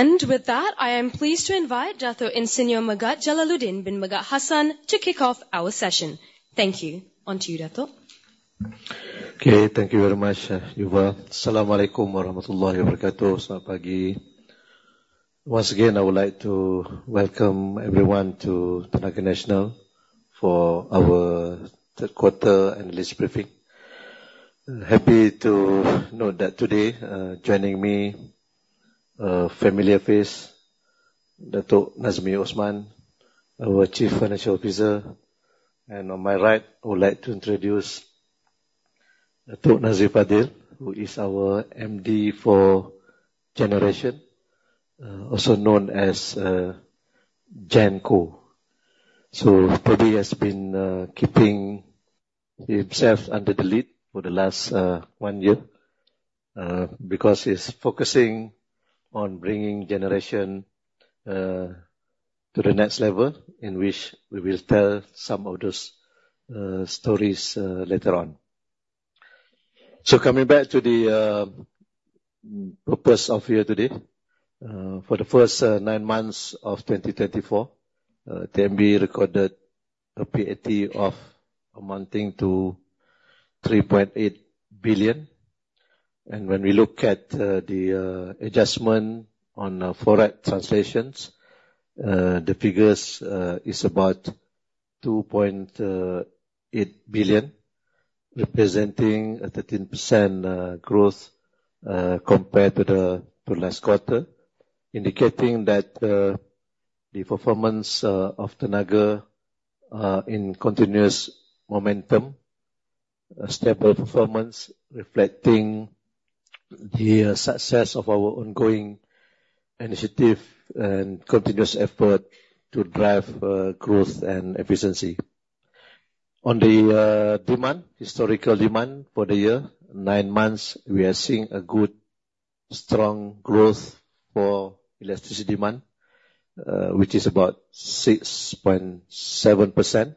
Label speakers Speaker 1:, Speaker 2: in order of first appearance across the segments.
Speaker 1: And with that, I am pleased to invite Dato' Ir. Megat Jalaluddin bin Megat Hassan to kick off our session. Thank you. On to you, Dato'.
Speaker 2: Okay, thank you very much, Yuva. Assalamualaikum warahmatullahi wabarakatuh. Selamat pagi. Once again, I would like to welcome everyone to Tenaga Nasional for our third quarter analysis briefing. Happy to note that today, joining me, a familiar face, Dato' Nazmi Othman, our Chief Financial Officer, and on my right, I would like to introduce Dato' Nor Azman Pazil, who is our MD for Generation, also known as GenCo. So he has been keeping himself under the lid for the last one year because he is focusing on bringing Generation to the next level, in which we will tell some of those stories later on. So coming back to the purpose of here today, for the first nine months of 2024, the TNB recorded a PAT amounting to 3.8 billion. When we look at the adjustment on foreign translations, the figures are about 2.8 billion, representing a 13% growth compared to the last quarter, indicating that the performance of Tenaga is in continuous momentum, a stable performance reflecting the success of our ongoing initiative and continuous effort to drive growth and efficiency. On the demand, historical demand for the year, nine months, we are seeing a good, strong growth for electricity demand, which is about 6.7%,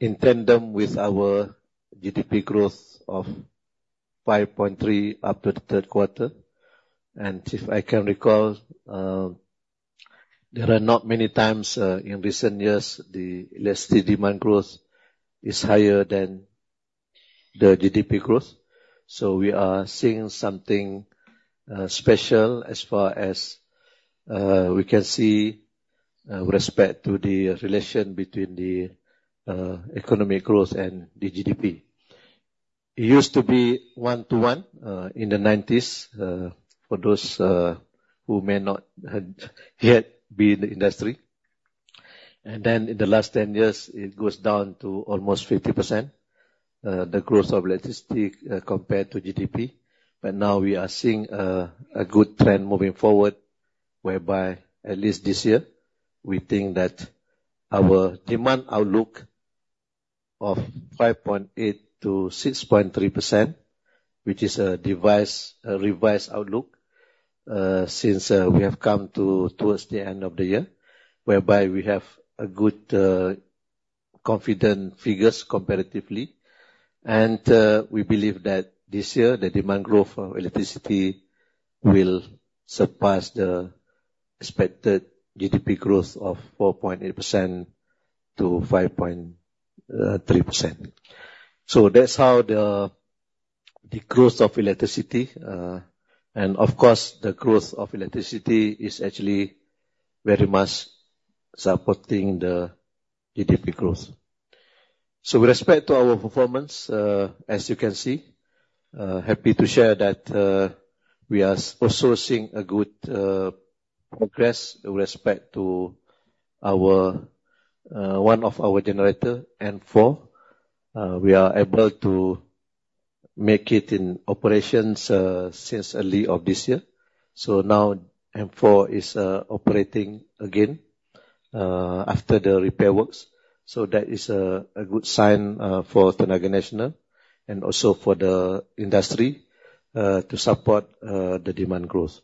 Speaker 2: in tandem with our GDP growth of 5.3% up to the third quarter. If I can recall, there are not many times in recent years the electricity demand growth is higher than the GDP growth. We are seeing something special as far as we can see with respect to the relation between the economic growth and the GDP. It used to be one-to-one in the 1990s for those who may not have yet been in the industry, and then in the last 10 years, it goes down to almost 50%, the growth of electricity compared to GDP. But now we are seeing a good trend moving forward, whereby at least this year, we think that our demand outlook of 5.8%-6.3%, which is a revised outlook since we have come towards the end of the year, whereby we have good, confident figures comparatively, and we believe that this year, the demand growth of electricity will surpass the expected GDP growth of 4.8%-5.3%. That's how the growth of electricity, and of course, the growth of electricity is actually very much supporting the GDP growth. With respect to our performance, as you can see, happy to share that we are also seeing good progress with respect to one of our generators, M4. We are able to make it in operations since early this year. So now M4 is operating again after the repair works. So that is a good sign for Tenaga Nasional and also for the industry to support the demand growth.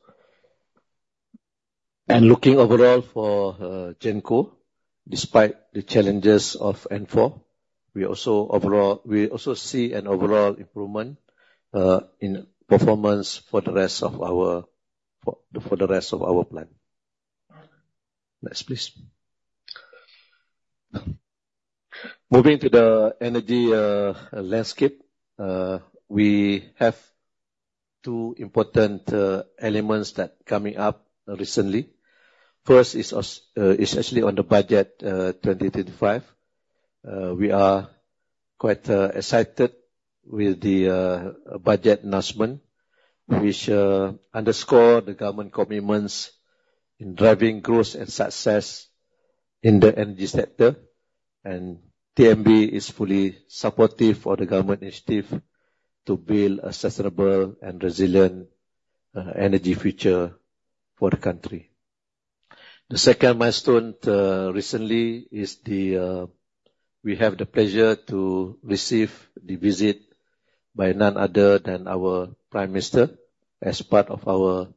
Speaker 2: Looking overall for Gen Co, despite the challenges of M4, we also see an overall improvement in performance for the rest of our plants. Next, please. Moving to the energy landscape, we have two important elements that are coming up recently. First is actually on the Budget 2025. We are quite excited with the budget announcement, which underscores the government commitments in driving growth and success in the energy sector. TNB is fully supportive of the government initiative to build a sustainable and resilient energy future for the country. The second milestone recently is we have the pleasure to receive the visit by none other than our Prime Minister as part of our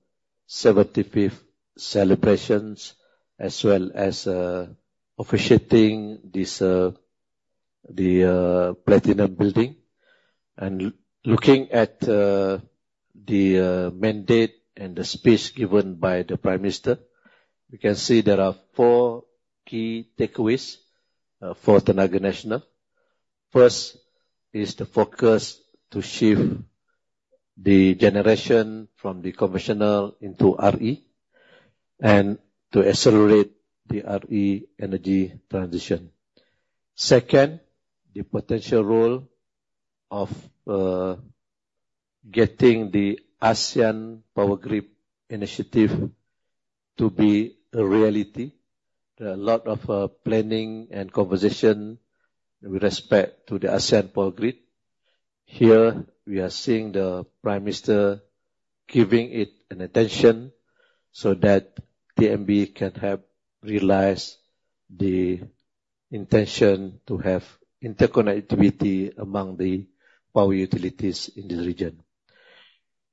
Speaker 2: 75th celebrations, as well as officiating the Platinum Building. Looking at the mandate and the speech given by the Prime Minister, we can see there are four key takeaways for Tenaga Nasional. First is the focus to shift the generation from the conventional into RE and to accelerate the RE energy transition. Second, the potential role of getting the ASEAN Power Grid initiative to be a reality. There are a lot of planning and conversation with respect to the ASEAN Power Grid. Here, we are seeing the Prime Minister giving it attention so that TNB can have realized the intention to have interconnectivity among the power utilities in the region.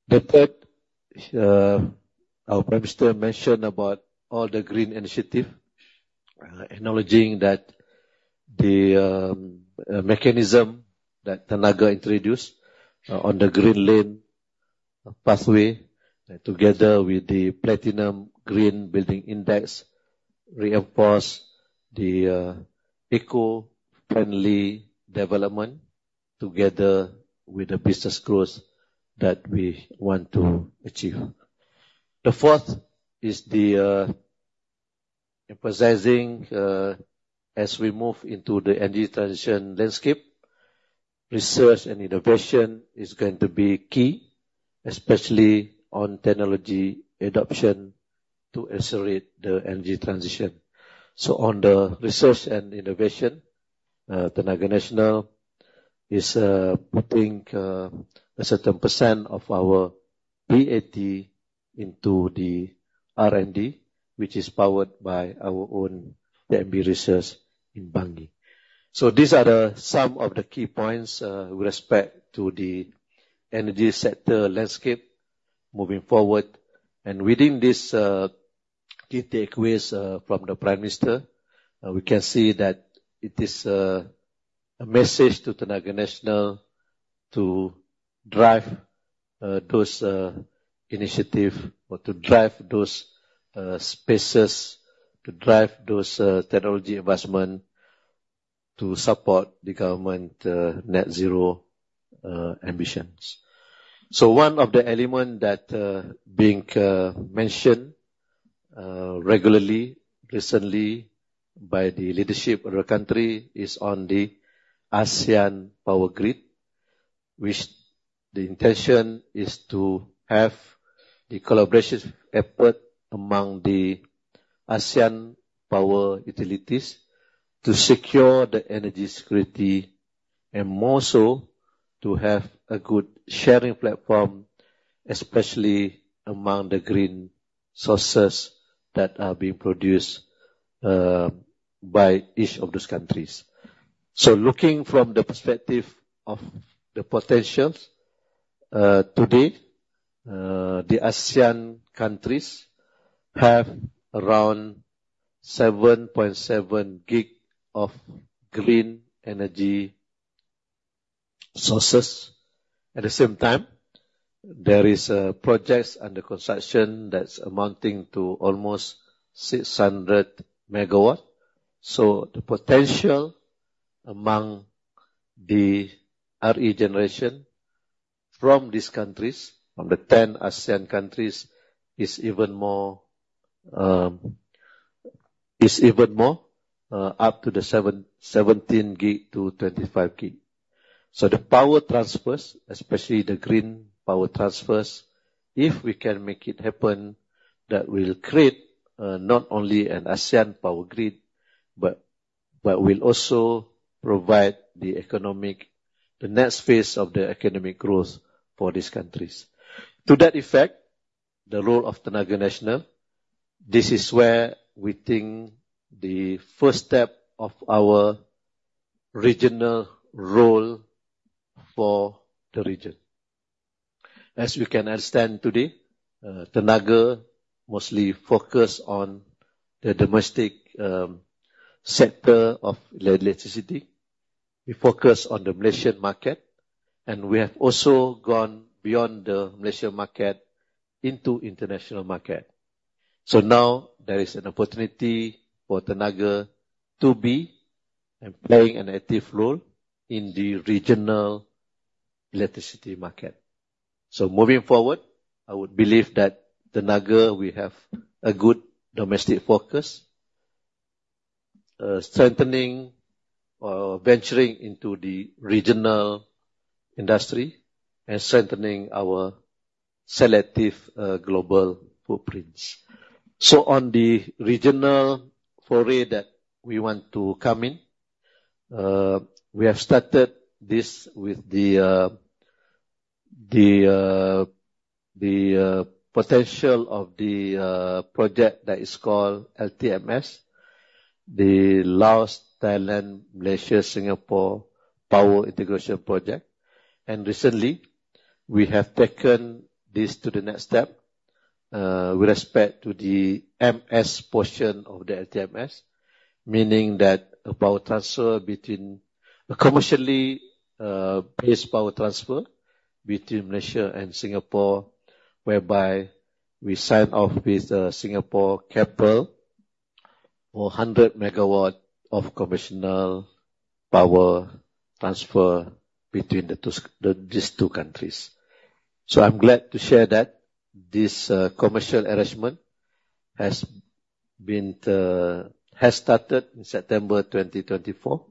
Speaker 2: The third, our Prime Minister mentioned about all the green initiatives, acknowledging that the mechanism that Tenaga introduced on the Green Lane Pathway, together with the Platinum Green Building Index, reinforces the eco-friendly development together with the business growth that we want to achieve. The fourth is the emphasizing, as we move into the energy transition landscape, research and innovation is going to be key, especially on technology adoption to accelerate the energy transition. So on the research and innovation, Tenaga Nasional is putting a certain % of our PAT into the R&D, which is powered by our own TNB Research in Bangi. So these are some of the key points with respect to the energy sector landscape moving forward. And within these key takeaways from the Prime Minister, we can see that it is a message to Tenaga Nasional to drive those initiatives or to drive those spaces, to drive those technology investments to support the government's net zero ambitions. So one of the elements that has been mentioned regularly recently by the leadership of the country is on the ASEAN Power Grid, which the intention is to have the collaboration effort among the ASEAN power utilities to secure the energy security and more so to have a good sharing platform, especially among the green sources that are being produced by each of those countries. So looking from the perspective of the potentials, today, the ASEAN countries have around 7.7 gig of green energy sources. At the same time, there are projects under construction that are amounting to almost 600 MW So the potential among the RE generation from these countries, from the 10 ASEAN countries, is even more up to the 17 gig to 25 gig. So the power transfers, especially the green power transfers, if we can make it happen, that will create not only an ASEAN power grid, but will also provide the next phase of the economic growth for these countries. To that effect, the role of Tenaga Nasional, this is where we think the first step of our regional role for the region. As we can understand today, Tenaga mostly focuses on the domestic sector of electricity. We focus on the Malaysian market, and we have also gone beyond the Malaysian market into the international market. So now there is an opportunity for Tenaga to be playing an active role in the regional electricity market. So moving forward, I would believe that Tenaga will have a good domestic focus, strengthening or venturing into the regional industry and strengthening our selective global footprints. So on the regional foray that we want to come in, we have started this with the potential of the project that is called LTMS, the Laos-Thailand-Malaysia-Singapore Power Integration Project. And recently, we have taken this to the next step with respect to the MS portion of the LTMS, meaning that a commercially based power transfer between Malaysia and Singapore, whereby we sign off with Keppel for 100 megawatts of conventional power transfer between these two countries. So I'm glad to share that this commercial arrangement has started in September 2024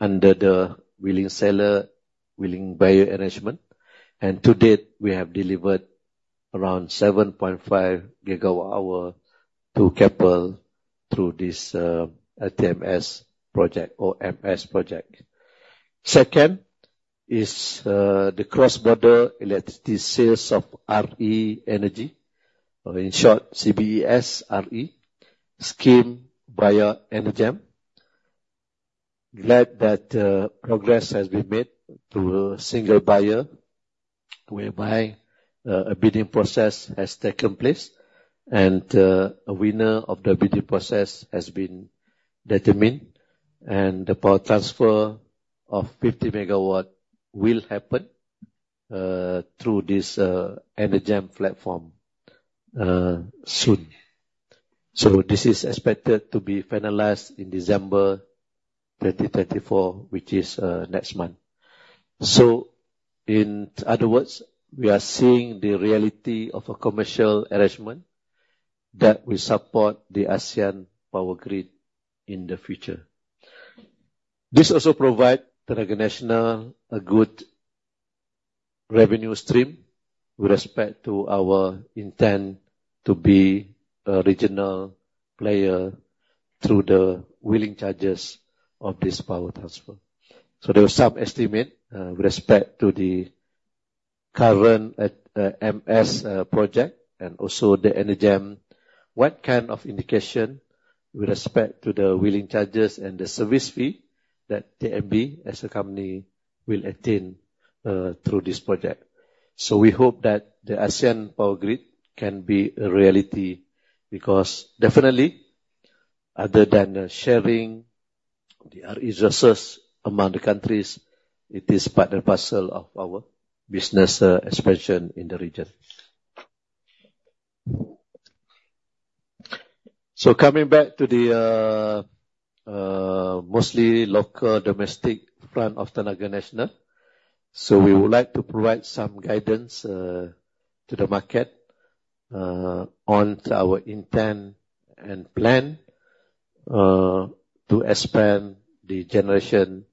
Speaker 2: under the willing seller, willing buyer arrangement. And to date, we have delivered around 7.5 gigawatt-hours to Keppel through this LTMS project or MS project. Second is the cross-border electricity sales of RE energy, or in short, CBES RE, single buyer ENEGEM. Glad that progress has been made to a single buyer, whereby a bidding process has taken place, and a winner of the bidding process has been determined, and the power transfer of 50 megawatts will happen through this ENEGEM platform soon. So this is expected to be finalized in December 2024, which is next month. So in other words, we are seeing the reality of a commercial arrangement that will support the ASEAN power grid in the future. This also provides Tenaga Nasional a good revenue stream with respect to our intent to be a regional player through the wheeling charges of this power transfer. So there was some estimate with respect to the current LTMS project and also the ENEGEM. What kind of indication with respect to the wheeling charges and the service fee that TNB as a company will attain through this project? So we hope that the ASEAN Power Grid can be a reality because definitely, other than sharing the RE resources among the countries, it is part and parcel of our business expansion in the region. So coming back to the mostly local domestic front of Tenaga Nasional, so we would like to provide some guidance to the market on our intent and plan to expand the generation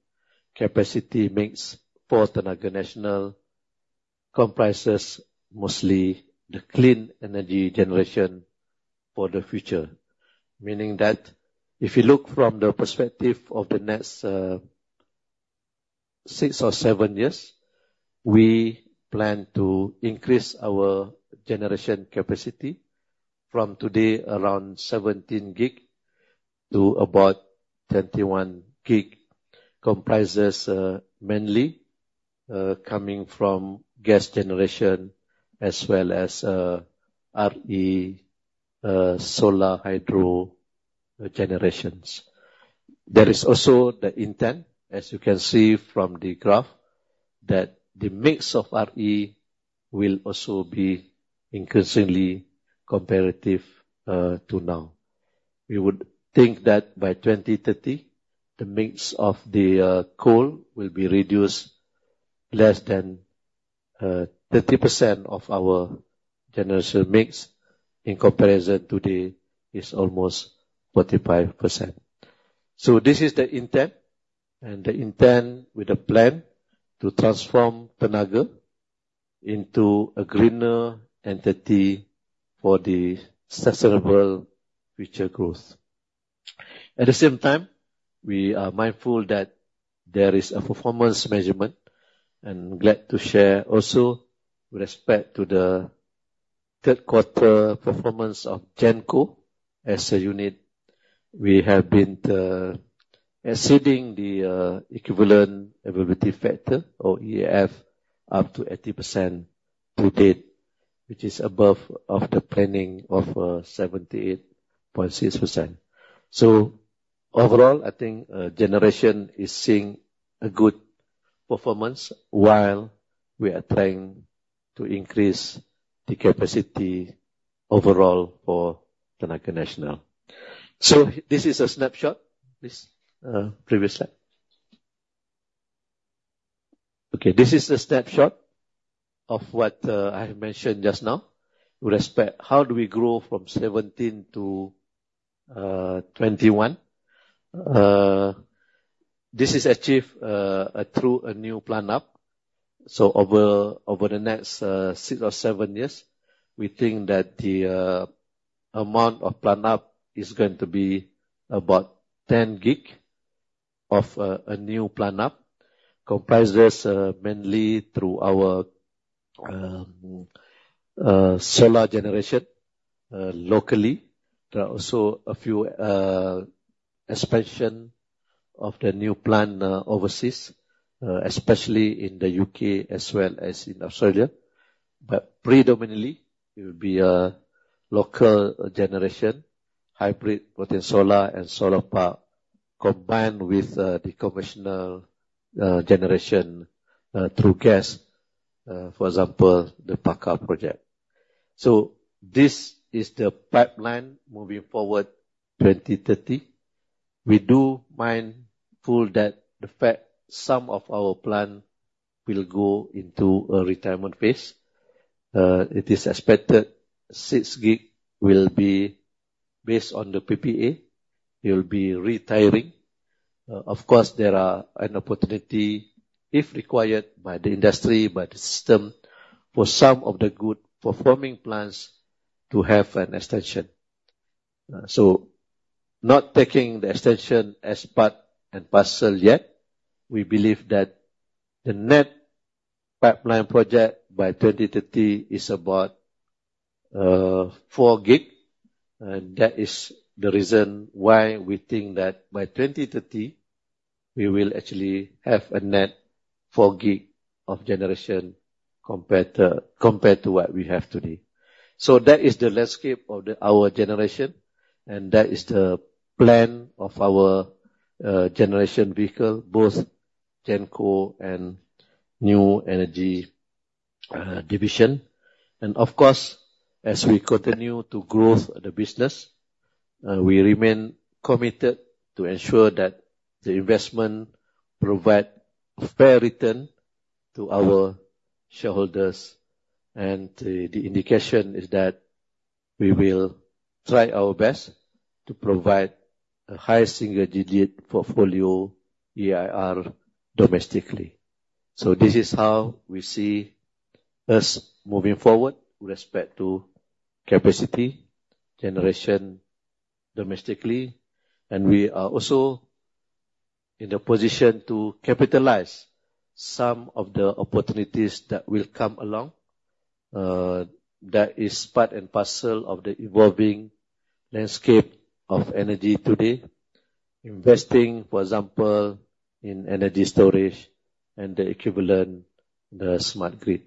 Speaker 2: capacity mix for Tenaga Nasional comprises mostly the clean energy generation for the future. Meaning that if you look from the perspective of the next six or seven years, we plan to increase our generation capacity from today around 17 gig to about 21 gig, comprising mainly coming from gas generation as well as RE solar hydro generations. There is also the intent, as you can see from the graph, that the mix of RE will also be increasingly comparative to now. We would think that by 2030, the mix of the coal will be reduced to less than 30% of our generation mix in comparison to today, is almost 45%. So this is the intent, and the intent with the plan to transform Tenaga into a greener entity for the sustainable future growth. At the same time, we are mindful that there is a performance measurement and glad to share also with respect to the third quarter performance of Gen Co. As a unit, we have been exceeding the equivalent availability factor or EAF up to 80% to date, which is above the planning of 78.6%. So overall, I think generation is seeing a good performance while we are trying to increase the capacity overall for Tenaga Nasional. So this is a snapshot. Please, previous slide. Okay, this is a snapshot of what I have mentioned just now with respect to how do we grow from 17 to 21. This is achieved through a new plant up. So over the next six or seven years, we think that the amount of plant up is going to be about 10 GW of a new plant up. Capacity mainly through our solar generation locally. There are also a few expansions of the new plant overseas, especially in the U.K. as well as in Australia. But predominantly, it will be a local generation, hybrid, both in solar and solar park, combined with the conventional generation through gas, for example, the Paka project. So this is the pipeline moving forward to 2030. We are mindful of the fact that some of our plants will go into a retirement phase. It is expected 6 GW will be retired based on the PPA. It will be retiring. Of course, there is an opportunity, if required by the industry, by the system, for some of the good performing plants to have an extension. So not taking the extension as part and parcel yet. We believe that the net pipeline of projects by 2030 is about 4 GW. And that is the reason why we think that by 2030, we will actually have a net 4 GW of generation compared to what we have today. So that is the landscape of our generation. And that is the plan of our generation vehicle, both GenCo and New Energy Division. And of course, as we continue to grow the business, we remain committed to ensure that the investment provides a fair return to our shareholders. And the indication is that we will try our best to provide a high single digit portfolio EIR domestically. So this is how we see us moving forward with respect to capacity generation domestically. And we are also in the position to capitalize some of the opportunities that will come along. That is part and parcel of the evolving landscape of energy today, investing, for example, in energy storage and the equivalent, the smart grid.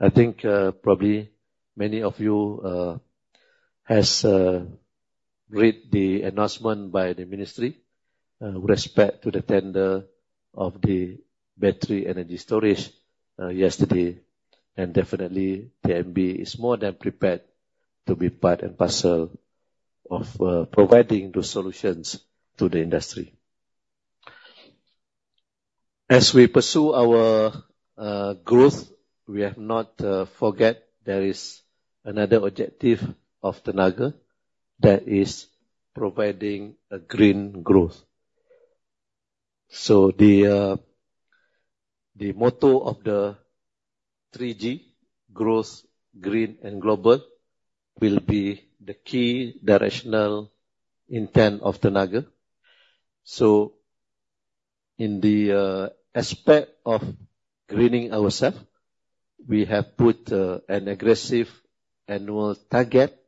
Speaker 2: I think probably many of you have read the announcement by the ministry with respect to the tender of the battery energy storage yesterday. And definitely, TNB is more than prepared to be part and parcel of providing those solutions to the industry. As we pursue our growth, we have not forgotten there is another objective of Tenaga that is providing a green growth. So the motto of the 3G, Growth, Green, and Global will be the key directional intent of Tenaga. So in the aspect of greening ourselves, we have put an aggressive annual target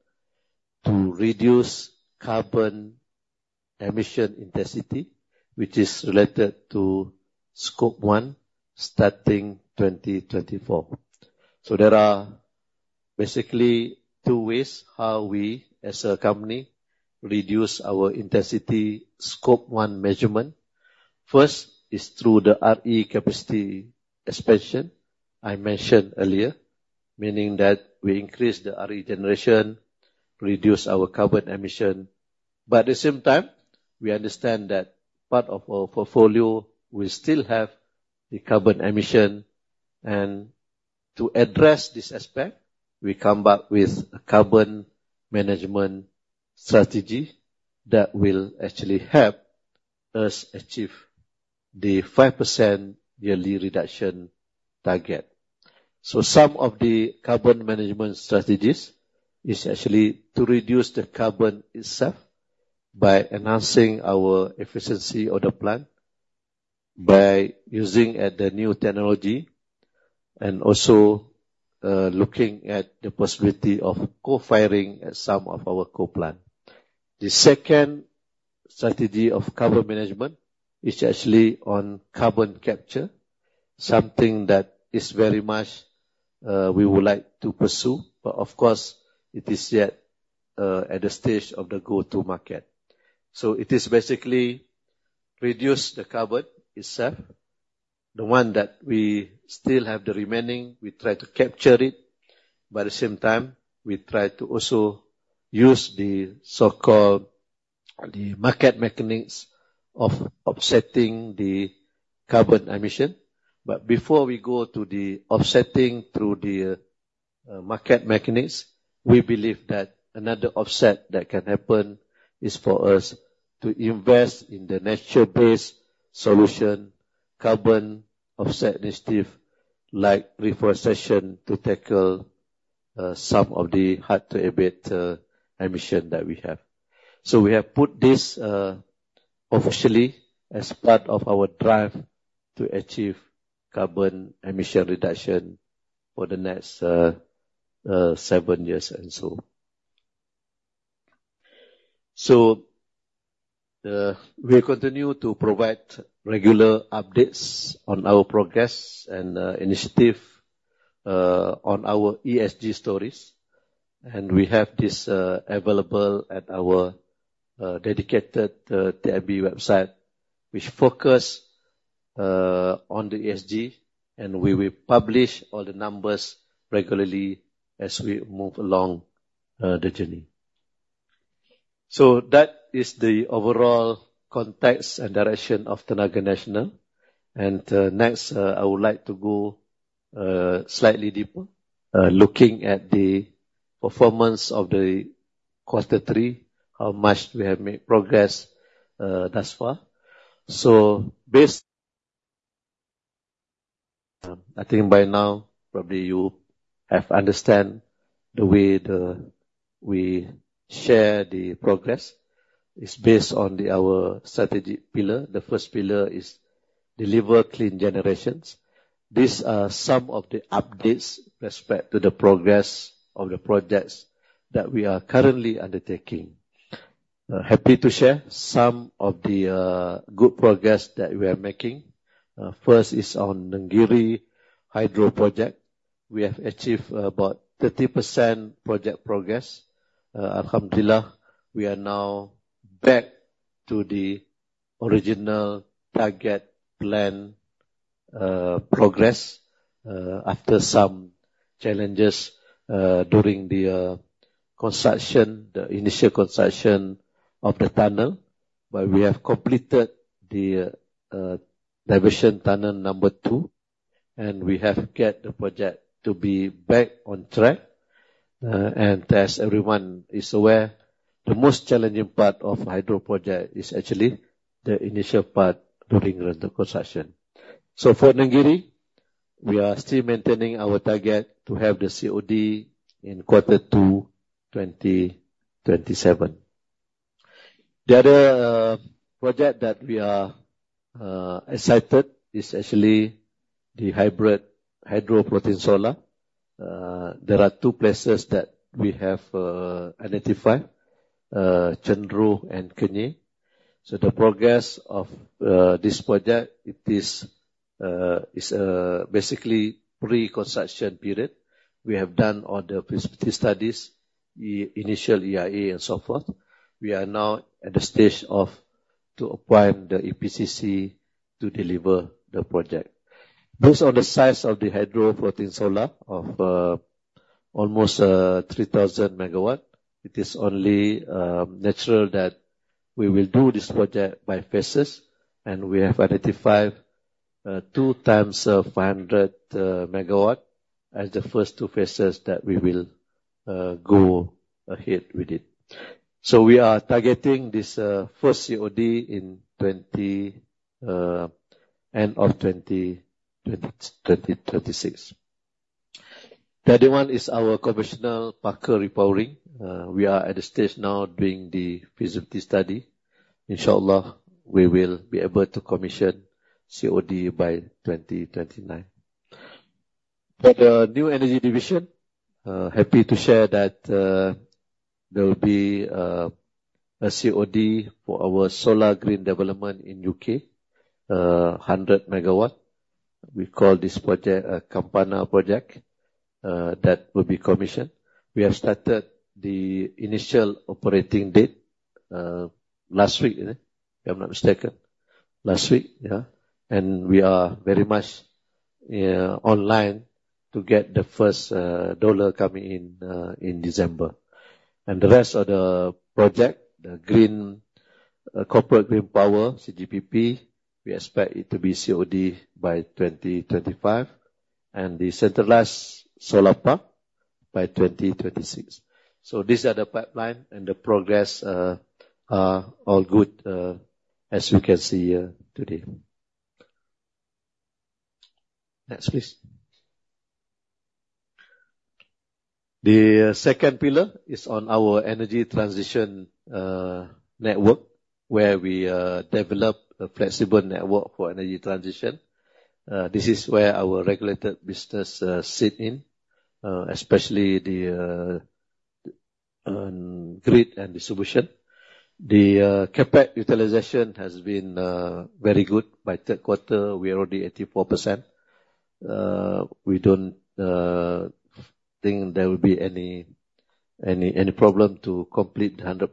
Speaker 2: to reduce carbon emission intensity, which is related to Scope 1 starting 2024. So there are basically two ways how we, as a company, reduce our intensity Scope 1 measurement. First is through the RE capacity expansion I mentioned earlier, meaning that we increase the RE generation, reduce our carbon emission. But at the same time, we understand that part of our portfolio, we still have the carbon emission. And to address this aspect, we come up with a carbon management strategy that will actually help us achieve the 5% yearly reduction target. So some of the carbon management strategies are actually to reduce the carbon itself by enhancing our efficiency of the plant by using the new technology and also looking at the possibility of co-firing some of our coal plants. The second strategy of carbon management is actually on carbon capture, something that is very much we would like to pursue. But of course, it is yet at the stage of the go-to-market. So it is basically reduce the carbon itself. The one that we still have the remaining, we try to capture it. At the same time, we try to also use the so-called market mechanics of offsetting the carbon emission. But before we go to the offsetting through the market mechanics, we believe that another offset that can happen is for us to invest in the nature-based solution, carbon offset initiative like reforestation to tackle some of the hard-to-abate emission that we have. So we have put this officially as part of our drive to achieve carbon emission reduction for the next seven years and so. So we continue to provide regular updates on our progress and initiative on our ESG stories. And we have this available at our dedicated TNB website, which focuses on the ESG. And we will publish all the numbers regularly as we move along the journey. So that is the overall context and direction of Tenaga Nasional. And next, I would like to go slightly deeper, looking at the performance of the quarter three, how much we have made progress thus far. So based, I think by now, probably you have understood the way we share the progress. It's based on our strategic pillar. The first pillar is deliver clean generations. These are some of the updates with respect to the progress of the projects that we are currently undertaking. Happy to share some of the good progress that we are making. First is on Nenggiri Hydro Project. We have achieved about 30% project progress. Alhamdulillah, we are now back to the original target plan progress after some challenges during the construction, the initial construction of the tunnel. But we have completed the diversion tunnel number two, and we have kept the project to be back on track. And as everyone is aware, the most challenging part of hydro project is actually the initial part during the construction. For Nenggiri, we are still maintaining our target to have the COD in quarter two 2027. The other project that we are excited is actually the hybrid hydro-floating solar. There are two places that we have identified, Chenderoh and Kenyir. So the progress of this project, it is basically pre-construction period. We have done all the feasibility studies, initial EIA, and so forth. We are now at the stage of applying the EPCC to deliver the project. Based on the size of the hydro-floating solar of almost 3,000 megawatts, it is only natural that we will do this project by phases. And we have identified two times 500 megawatts as the first two phases that we will go ahead with it. So we are targeting this first COD in end of 2026. The other one is our conventional Paka repowering. We are at the stage now doing the facility study. InsyaAllah, we will be able to commission COD by 2029. For the new energy division, happy to share that there will be a COD for our solar green development in UK, 100 MW We call this project a Campana Project that will be commissioned. We have started the initial operating date last week, if I'm not mistaken, last week, and we are very much online to get the first dollar coming in December, and the rest of the project, the corporate green power, CGPP, we expect it to be COD by 2025, and the centralized solar park by 2026. These are the pipeline, and the progress are all good as we can see here today. Next, please. The second pillar is on our energy transition network, where we develop a flexible network for energy transition. This is where our regulated business sits in, especially the grid and distribution. The Capex utilization has been very good. By third quarter, we are already 84%. We don't think there will be any problem to complete 100%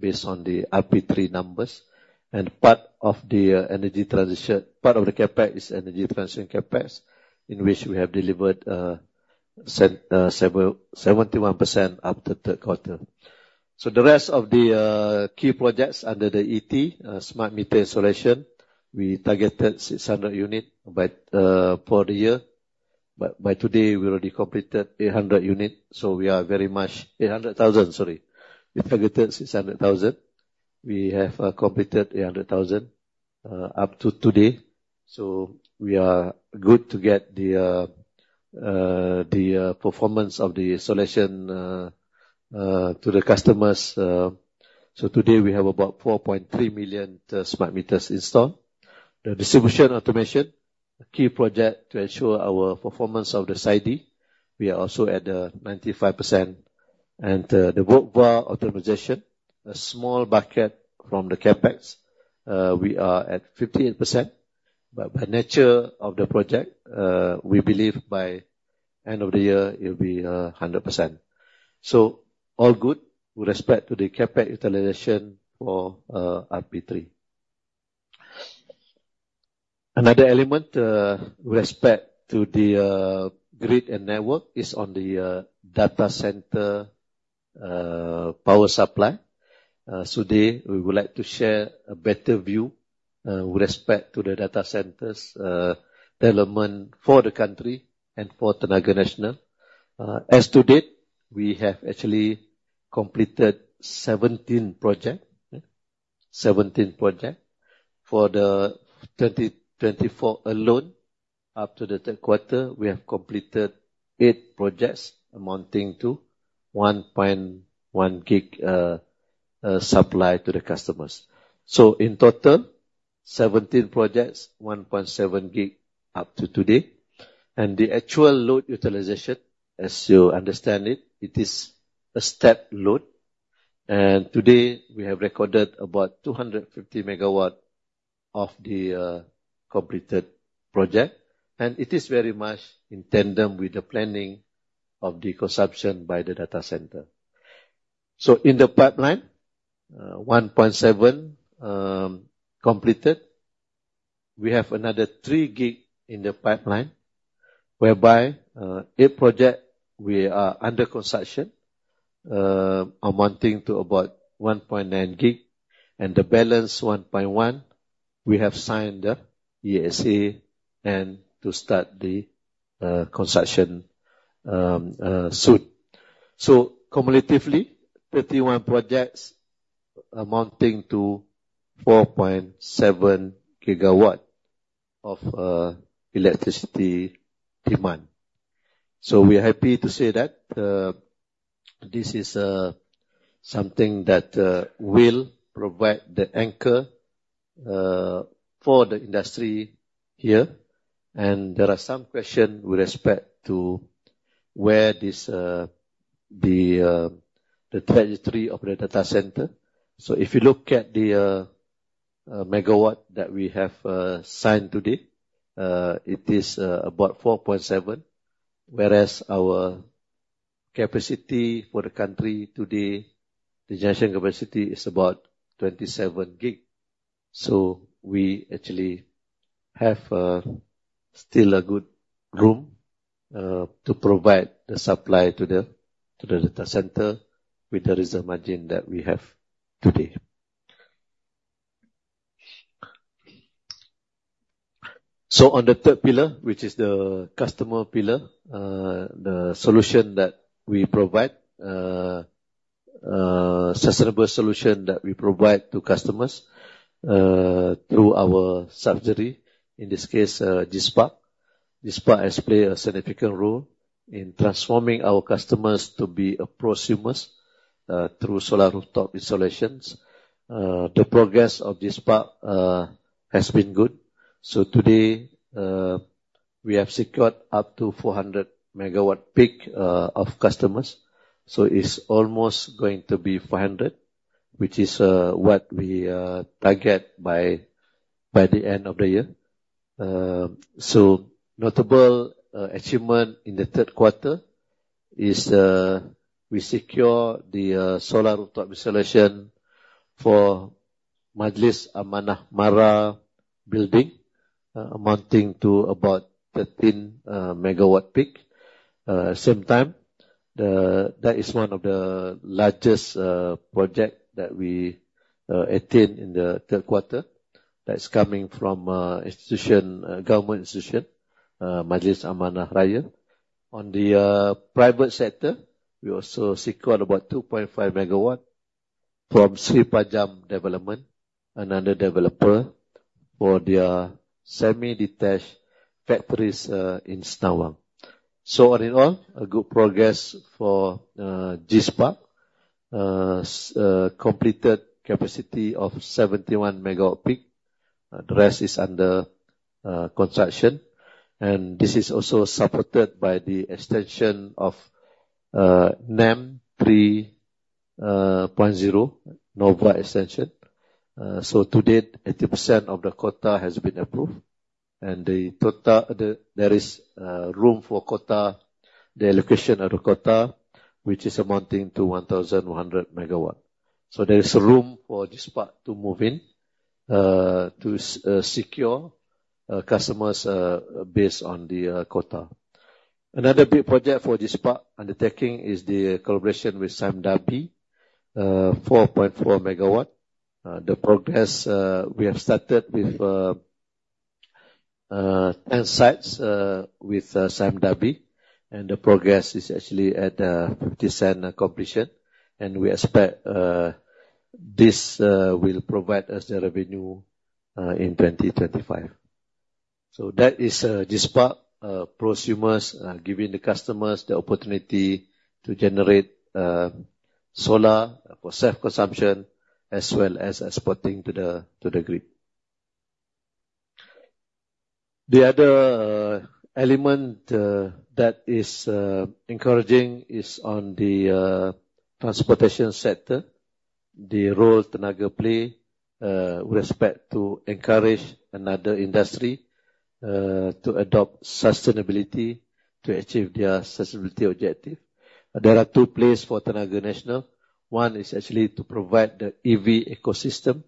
Speaker 2: based on the RP3 numbers, and part of the energy transition, part of the Capex is energy transition Capex, in which we have delivered 71% after third quarter. The rest of the key projects under the ET, smart meter installation, we targeted 600,000 for the year. But by today, we already completed 800,000. So we are very much 800,000, sorry. We targeted 600,000. We have completed 800,000 up to today. So we are good to get the performance of the installation to the customers. Today, we have about 4.3 million smart meters installed. The distribution automation, a key project to ensure our performance of the SAIDI. We are also at 95%. And the work value optimization, a small bucket from the CapEx, we are at 58%. But by nature of the project, we believe by end of the year, it will be 100%. So all good with respect to the CapEx utilization for RP3. Another element with respect to the grid and network is on the data center power supply. So today, we would like to share a better view with respect to the data centers development for the country and for Tenaga Nasional. As to date, we have actually completed 17 projects. 17 projects. For the 2024 alone, up to the third quarter, we have completed eight projects amounting to 1.1 gig supply to the customers. So in total, 17 projects, 1.7 gig up to today. And the actual load utilization, as you understand it, it is a step load. And today, we have recorded about 250 megawatts of the completed project. It is very much in tandem with the planning of the consumption by the data center. In the pipeline, 1.7 completed. We have another three gig in the pipeline, whereby eight projects we are under construction amounting to about 1.9 gig. And the balance 1.1, we have signed the ESA and to start the construction soon. Cumulatively, 31 projects amounting to 4.7 gigawatts of electricity demand. We are happy to say that this is something that will provide the anchor for the industry here. And there are some questions with respect to where the trajectory of the data center. If you look at the megawatt that we have signed today, it is about 4.7, whereas our capacity for the country today, the generation capacity is about 27 gig. So we actually have still a good room to provide the supply to the data center with the reserve margin that we have today. So on the third pillar, which is the customer pillar, the solution that we provide, sustainable solution that we provide to customers through our subsidiary, in this case, G-SPARX. G-SPARX has played a significant role in transforming our customers to be prosumers through solar rooftop installations. The progress of G-SPARX has been good. So today, we have secured up to 400 megawatt peak of customers. So it's almost going to be 500, which is what we target by the end of the year. So notable achievement in the third quarter is we secured the solar rooftop installation for Majlis Amanah Mara Building, amounting to about 13 megawatt peak. At the same time, that is one of the largest projects that we attained in the third quarter. That's coming from a government institution, Majlis Amanah Rakyat. On the private sector, we also secured about 2.5 MW from Seri Pajam Development, another developer for their semi-detached factories in Senawang. All in all, a good progress for G-SPARX. Completed capacity of 71 megawatt peak. The rest is under construction. This is also supported by the extension of NEM 3.0, Nova Extension. To date, 80% of the quota has been approved. There is room for quota, the allocation of the quota, which is amounting to 1,100 MW There is room for G-SPARX to move in, to secure customers based on the quota. Another big project for G-SPARX undertaking is the collaboration with Sime Darby, 4.4 MW The progress we have started with 10 sites with Sime Darby. The progress is actually at 50% completion. We expect this will provide us the revenue in 2025. So that is G-SPARX, prosumers, giving the customers the opportunity to generate solar for self-consumption as well as exporting to the grid. The other element that is encouraging is on the transportation sector, the role Tenaga plays with respect to encourage another industry to adopt sustainability to achieve their sustainability objective. There are two plays for Tenaga Nasional. One is actually to provide the EV ecosystem,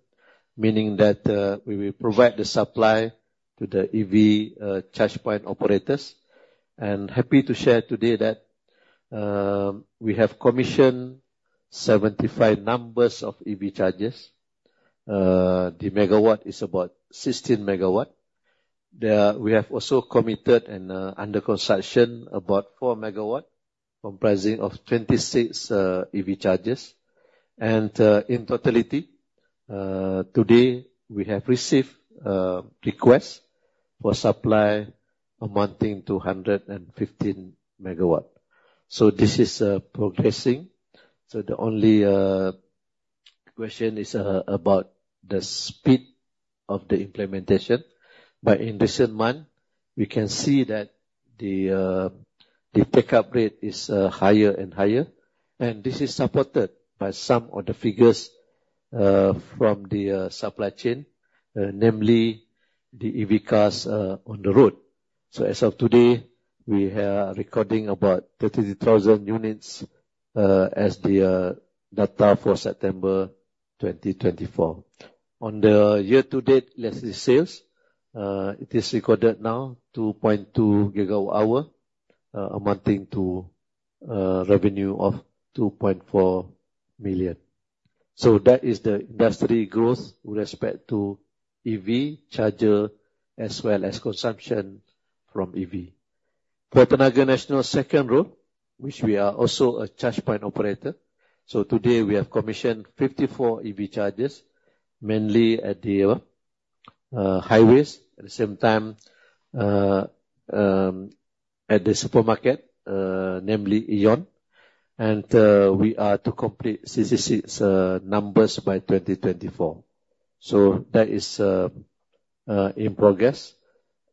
Speaker 2: meaning that we will provide the supply to the EV charge point operators. And happy to share today that we have commissioned 75 numbers of EV chargers. The megawatt is about 16 MW We have also committed and under construction about 4 megawatts, comprising of 26 EV chargers. And in totality, today, we have received requests for supply amounting to 115 MW So this is progressing. So the only question is about the speed of the implementation. But in recent months, we can see that the pickup rate is higher and higher. And this is supported by some of the figures from the supply chain, namely the EV cars on the road. So as of today, we are recording about 33,000 units as the data for September 2024. On the year-to-date electricity sales, it is recorded now 2.2 gigawatt-hours, amounting to revenue of 2.4 million. So that is the industry growth with respect to EV charger as well as consumption from EV. For Tenaga Nasional, second role, which we are also a charge point operator. So today, we have commissioned 54 EV chargers, mainly at the highways. At the same time, at the supermarket, namely AEON. And we are to complete 66 numbers by 2024. So that is in progress.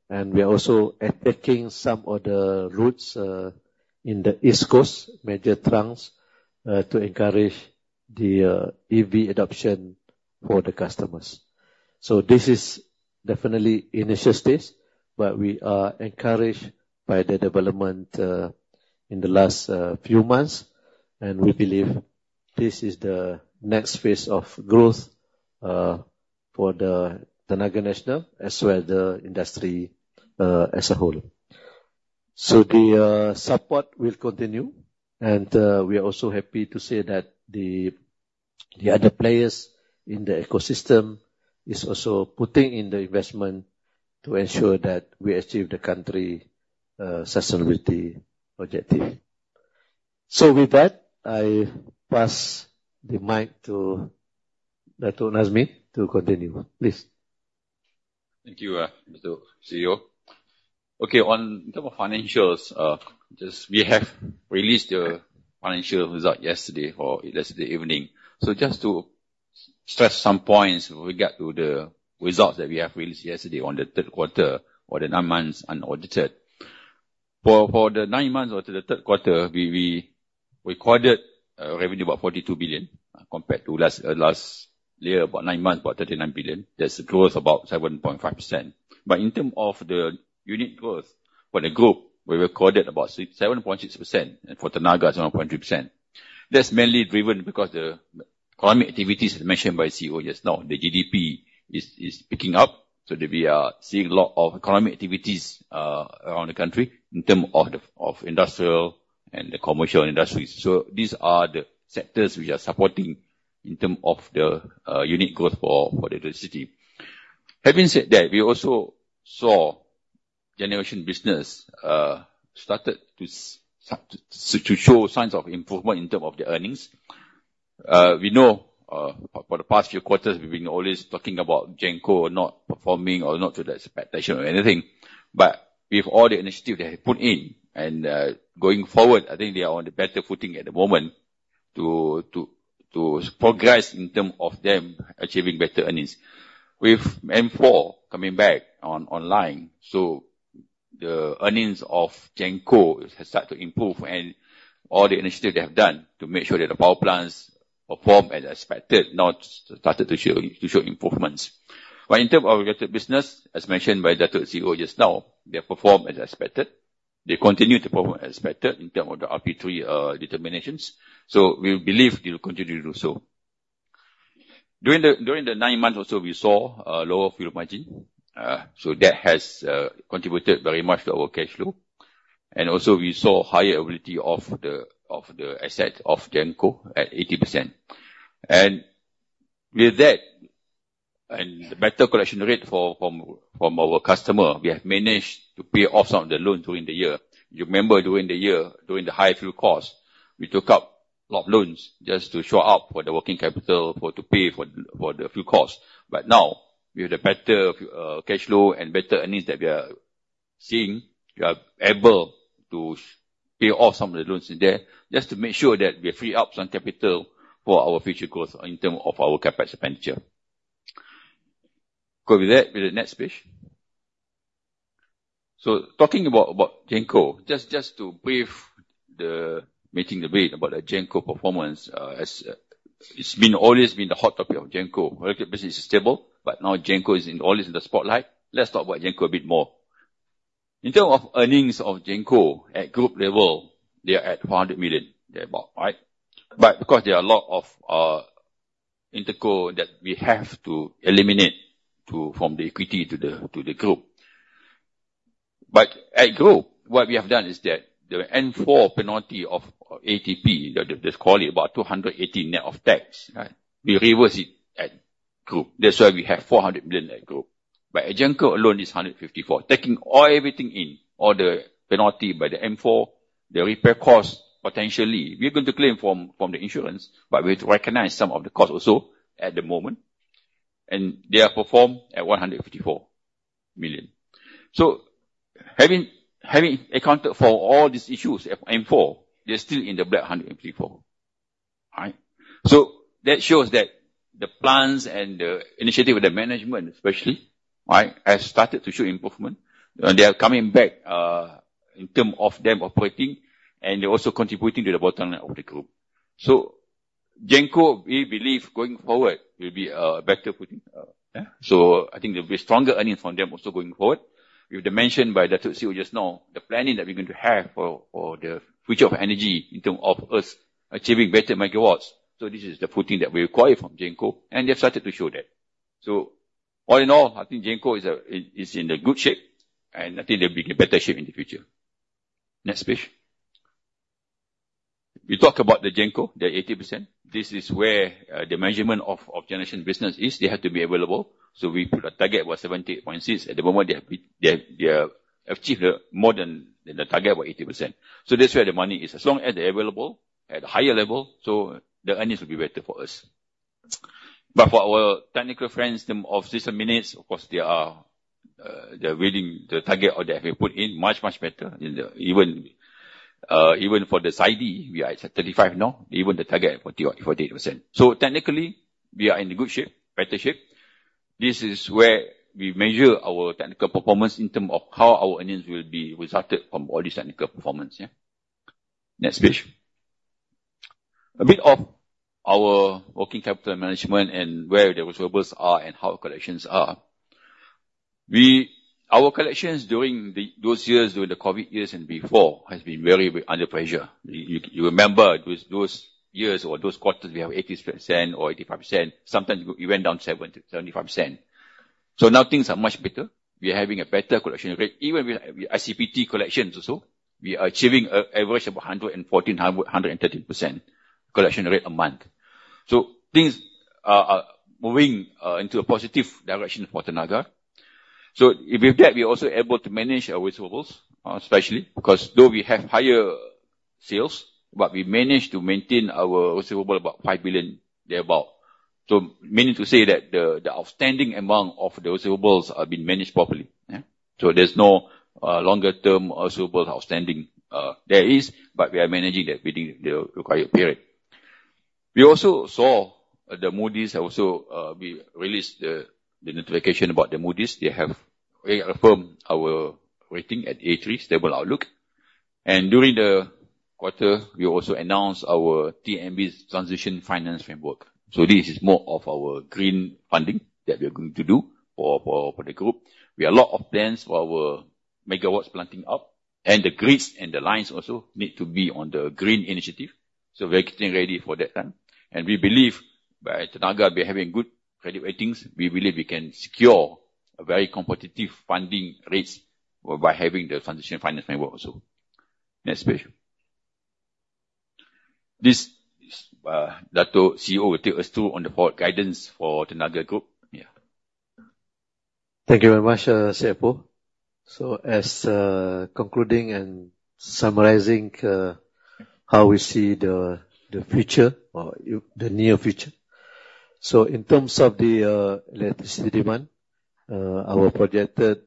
Speaker 2: We are also attacking some of the routes in the East Coast, major trunks to encourage the EV adoption for the customers. So this is definitely initial stage, but we are encouraged by the development in the last few months. We believe this is the next phase of growth for the Tenaga Nasional as well as the industry as a whole. The support will continue. We are also happy to say that the other players in the ecosystem are also putting in the investment to ensure that we achieve the country's sustainability objective. With that, I pass the mic to Dato' Nazmi to continue. Please. Thank you, Dato' CEO. Okay, on the financials, we have released the financial results yesterday or yesterday evening.
Speaker 3: So just to stress some points with regard to the results that we have released yesterday on the third quarter or the nine months unaudited. For the nine months or the third quarter, we recorded revenue about 42 billion compared to last year, about nine months, about 39 billion. That's a growth of about 7.5%. But in terms of the unit growth for the group, we recorded about 7.6%. And for Tenaga, 7.3%. That's mainly driven because the economic activities as mentioned by CEO just now, the GDP is picking up. So we are seeing a lot of economic activities around the country in terms of industrial and the commercial industries. So these are the sectors which are supporting in terms of the unit growth for the electricity. Having said that, we also saw generation business started to show signs of improvement in terms of the earnings. We know for the past few quarters, we've been always talking about GENCO not performing or not to the expectation of anything. But with all the initiatives they have put in and going forward, I think they are on the better footing at the moment to progress in terms of them achieving better earnings. With M4 coming back online, so the earnings of GENCO has started to improve and all the initiatives they have done to make sure that the power plants perform as expected, now started to show improvements. But in terms of related business, as mentioned by Dato' CEO just now, they perform as expected. They continue to perform as expected in terms of the RP3 determinations. So we believe they will continue to do so. During the nine months also, we saw lower fuel margin. So that has contributed very much to our cash flow. We also saw higher availability of the asset of GENCO at 80%. With that, and the better collection rate from our customer, we have managed to pay off some of the loans during the year. You remember during the year, during the high fuel costs, we took up a lot of loans just to shore up the working capital to pay for the fuel costs. But now, with the better cash flow and better earnings that we are seeing, we are able to pay off some of the loans in there just to make sure that we free up some capital for our future growth in terms of our capital expenditure. Go with that with the next page. Talking about GENCO, just to brief the management team about the GENCO performance, it has always been the hot topic of GENCO. Related business is stable, but now GENCO is always in the spotlight. Let's talk about GENCO a bit more. In terms of earnings of GENCO at group level, they are at 400 million. They're about right. But because there are a lot of interco that we have to eliminate from the equity to the group. But at group, what we have done is that the M4 penalty of ATP, they call it about 280 million net of tax, we reverse it at group. That's why we have 400 million at group. But GENCO alone is 154 million. Taking everything in, all the penalty by the M4, the repair cost potentially, we're going to claim from the insurance, but we recognize some of the costs also at the moment. And they are performed at 154 million. So having accounted for all these issues at M4, they're still in the black 154 million. So that shows that the plans and the initiative of the management, especially, has started to show improvement. They are coming back in terms of them operating and also contributing to the bottom line of the group. So GENCO, we believe going forward will be a better footing. So I think there'll be stronger earnings from them also going forward. With the mention by Dato' CEO just now, the planning that we're going to have for the future of energy in terms of us achieving better megawatts. So this is the footing that we require from GENCO. And they've started to show that. So all in all, I think GENCO is in good shape. And I think they'll be in better shape in the future. Next page. We talk about the GENCO, the 80%. This is where the measurement of generation business is. They have to be available. We put a target of 78.6. At the moment, they have achieved more than the target of 80%. That's where the money is. As long as they're available at a higher level, the earnings will be better for us. But for our technical friends in terms of system minutes, of course, they are beating the target or they have put in much, much better. Even for the CID, we are at 35 now. Even the target is 48%. Technically, we are in good shape, better shape. This is where we measure our technical performance in terms of how our earnings will be resulted from all this technical performance. Next page. A bit of our working capital management and where the reserves are and how collections are. Our collections during those years, during the COVID years and before, have been very under pressure. You remember those years or those quarters, we have 80% or 85%. Sometimes we went down to 75%. So now things are much better. We are having a better collection rate. Even with ICPT collections also, we are achieving an average of 113%-114% collection rate a month. So things are moving into a positive direction for Tenaga. So with that, we are also able to manage our reserves, especially because though we have higher sales, but we manage to maintain our reserves about 5 billion thereabout. So meaning to say that the outstanding amount of the reserves has been managed properly. So there's no longer-term reserves outstanding. There is, but we are managing that within the required period. We also saw the Moody's also released the notification about the Moody's. They have affirmed our rating at A3, stable outlook. During the quarter, we also announced our TNB's transition finance framework. So this is more of our green funding that we are going to do for the group. We have a lot of plans for our megawatts planting up. And the grids and the lines also need to be on the green initiative. So we are getting ready for that time. And we believe by Tenaga, we are having good credit ratings. We believe we can secure very competitive funding rates by having the transition finance framework also. Next page. This Dato' CEO will take us through on the forward guidance for Tenaga Group.
Speaker 2: Thank you very much, Cik Pu. So as concluding and summarizing how we see the future or the near future. So in terms of the electricity demand, our projected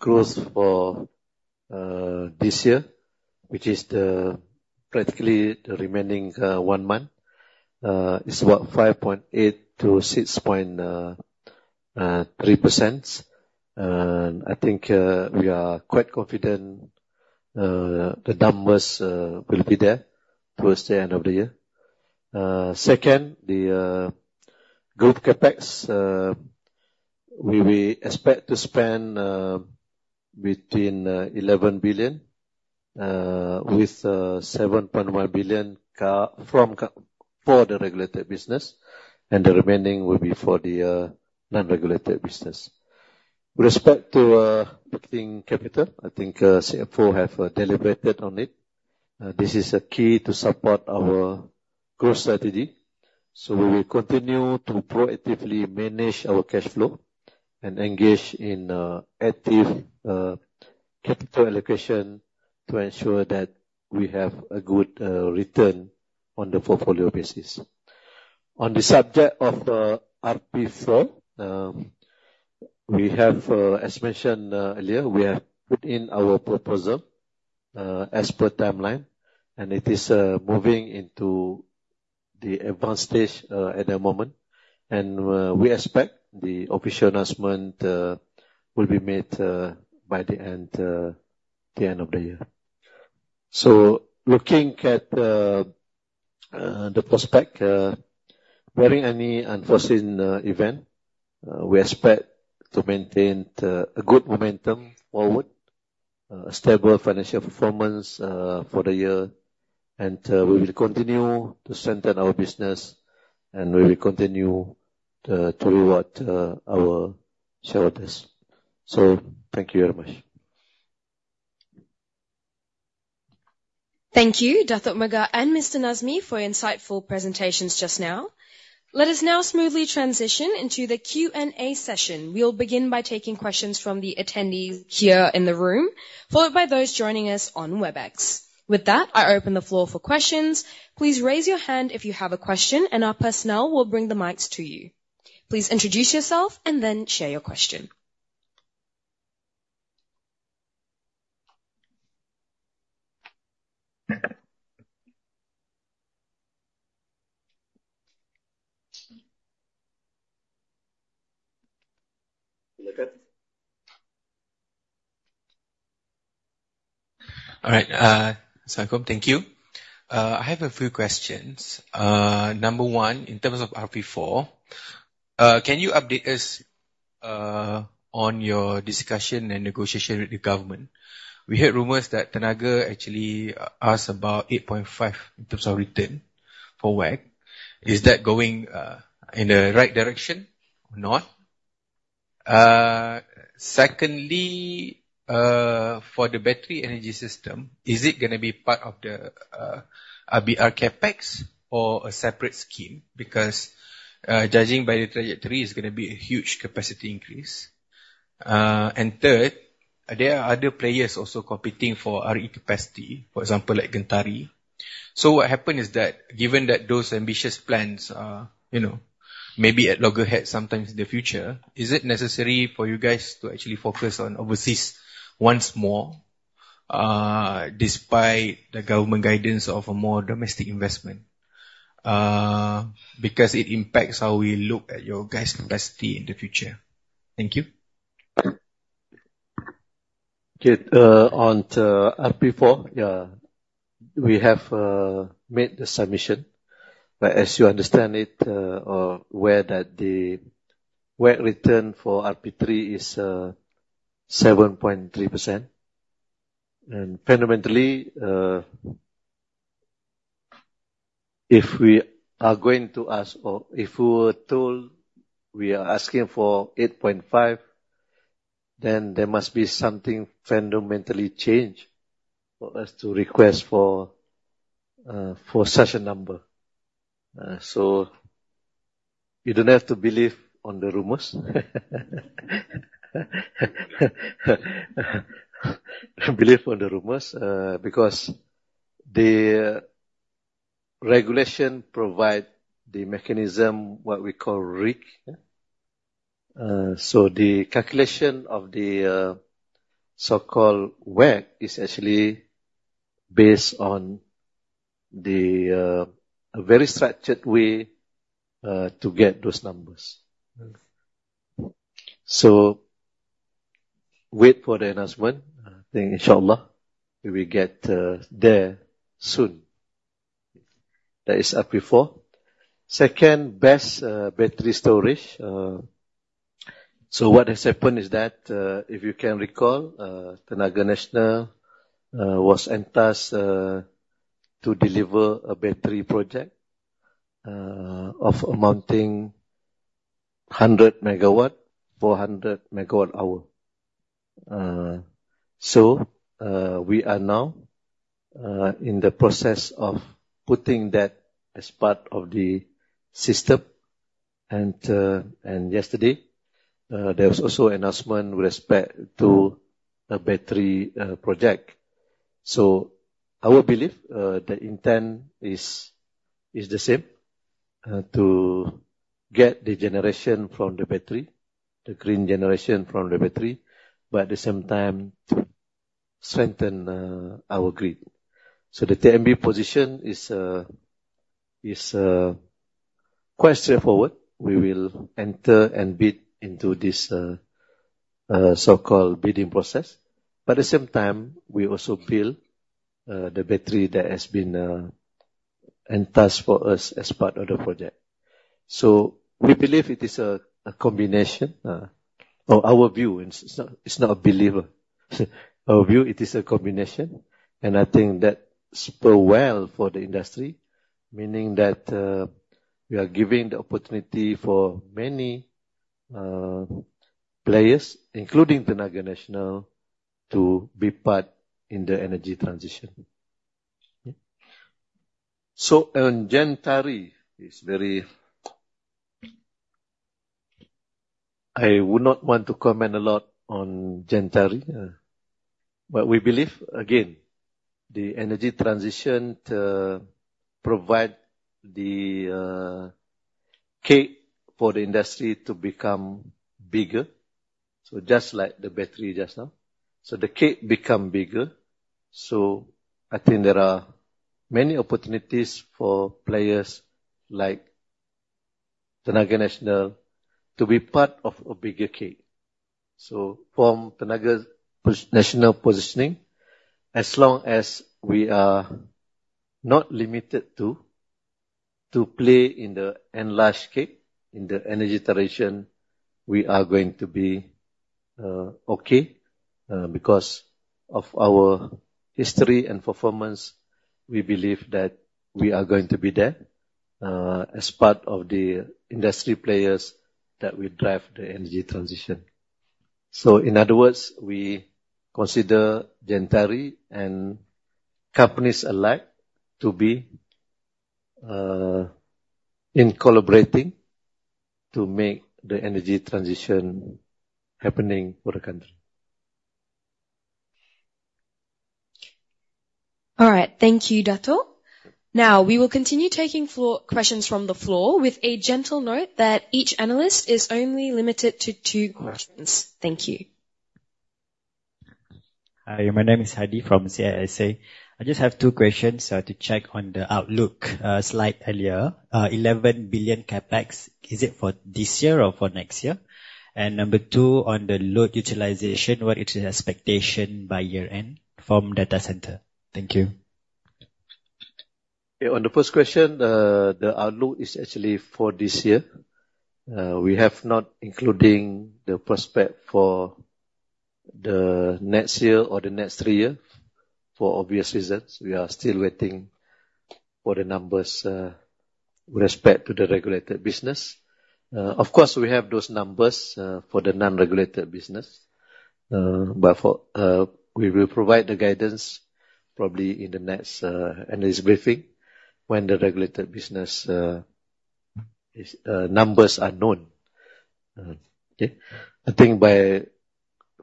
Speaker 2: growth for this year, which is practically the remaining one month, is about 5.8%-6.3%. I think we are quite confident the numbers will be there towards the end of the year. Second, the group CapEx, we expect to spend between 11 billion with 7.1 billion for the regulated business, and the remaining will be for the non-regulated business. With respect to working capital, I think CFO has deliberated on it. This is a key to support our growth strategy. We will continue to proactively manage our cash flow and engage in active capital allocation to ensure that we have a good return on the portfolio basis. On the subject of RP4, we have, as mentioned earlier, we have put in our proposal as per timeline, and it is moving into the advanced stage at the moment. We expect the official announcement will be made by the end of the year. So looking at the prospect, bearing any unforeseen event, we expect to maintain a good momentum forward, stable financial performance for the year, and we will continue to strengthen our business, and we will continue to reward our shareholders. So thank you very much.
Speaker 1: Thank you, Dato' Megat and Mr. Nazmi for insightful presentations just now. Let us now smoothly transition into the Q&A session. We'll begin by taking questions from the attendees here in the room, followed by those joining us on WebEx. With that, I open the floor for questions. Please raise your hand if you have a question, and our personnel will bring the mics to you. Please introduce yourself and then share your question.
Speaker 4: All right. Thank you. I have a few questions. Number one, in terms of RP4, can you update us on your discussion and negotiation with the government? We heard rumors that Tenaga actually asked about 8.5% in terms of return for WACC. Is that going in the right direction or not? Secondly, for the battery energy system, is it going to be part of the IBR Capex or a separate scheme? Because judging by the trajectory, it's going to be a huge capacity increase. And third, there are other players also competing for RE capacity, for example, like Gentari. So what happened is that given that those ambitious plans may be at loggerheads sometime in the future, is it necessary for you guys to actually focus on overseas once more despite the government guidance of a more domestic investment? Because it impacts how we look at your guys' capacity in the future. Thank you.
Speaker 2: On RP4, we have made the submission. But as you understand it, where the WACC return for RP3 is 7.3%. Fundamentally, if we are going to ask or if we were told we are asking for 8.5, then there must be something fundamentally changed for us to request for such a number. So you don't have to believe on the rumors. Believe on the rumors because the regulation provides the mechanism, what we call REEC. So the calculation of the so-called WACC is actually based on a very structured way to get those numbers. So wait for the announcement. I think, inshallah, we will get there soon. That is RP4. Second, best battery storage. So what has happened is that if you can recall, Tenaga Nasional was entered to deliver a battery project of amounting 100 megawatts, 400 megawatt hours. So we are now in the process of putting that as part of the system. And yesterday, there was also an announcement with respect to a battery project. So, I would believe the intent is the same, to get the generation from the battery, the green generation from the battery, but at the same time to strengthen our grid. The TNB position is quite straightforward. We will enter and bid into this so-called bidding process. But at the same time, we also feel the battery that has been tendered for us as part of the project. So we believe it is a combination of our view. It's not a binary. Our view, it is a combination. And I think that spurs well for the industry, meaning that we are giving the opportunity for many players, including Tenaga Nasional, to take part in the energy transition. So on Gentari, it's very. I would not want to comment a lot on Gentari. But we believe, again, the energy transition to provide the cake for the industry to become bigger. So just like the battery just now, the cake becomes bigger. I think there are many opportunities for players like Tenaga Nasional to be part of a bigger cake. So from Tenaga Nasional positioning, as long as we are not limited to play in the enlarged cake, in the energy transition, we are going to be okay because of our history and performance. We believe that we are going to be there as part of the industry players that will drive the energy transition. So in other words, we consider Gentari and companies alike to be in collaborating to make the energy transition happening for the country.
Speaker 1: All right. Thank you, Datuk. Now, we will continue taking questions from the floor with a gentle note that each analyst is only limited to two questions. Thank you.
Speaker 5: Hi, my name is Hadi from CLSA. I just have two questions to check on the outlook slide earlier. 11 billion Capex, is it for this year or for next year? And number two, on the load utilization, what is the expectation by year-end from data center? Thank you.
Speaker 2: On the first question, the outlook is actually for this year. We have not included the prospect for the next year or the next three years for obvious reasons. We are still waiting for the numbers with respect to the regulated business. Of course, we have those numbers for the non-regulated business. But we will provide the guidance probably in the next analyst briefing when the regulated business numbers are known. I think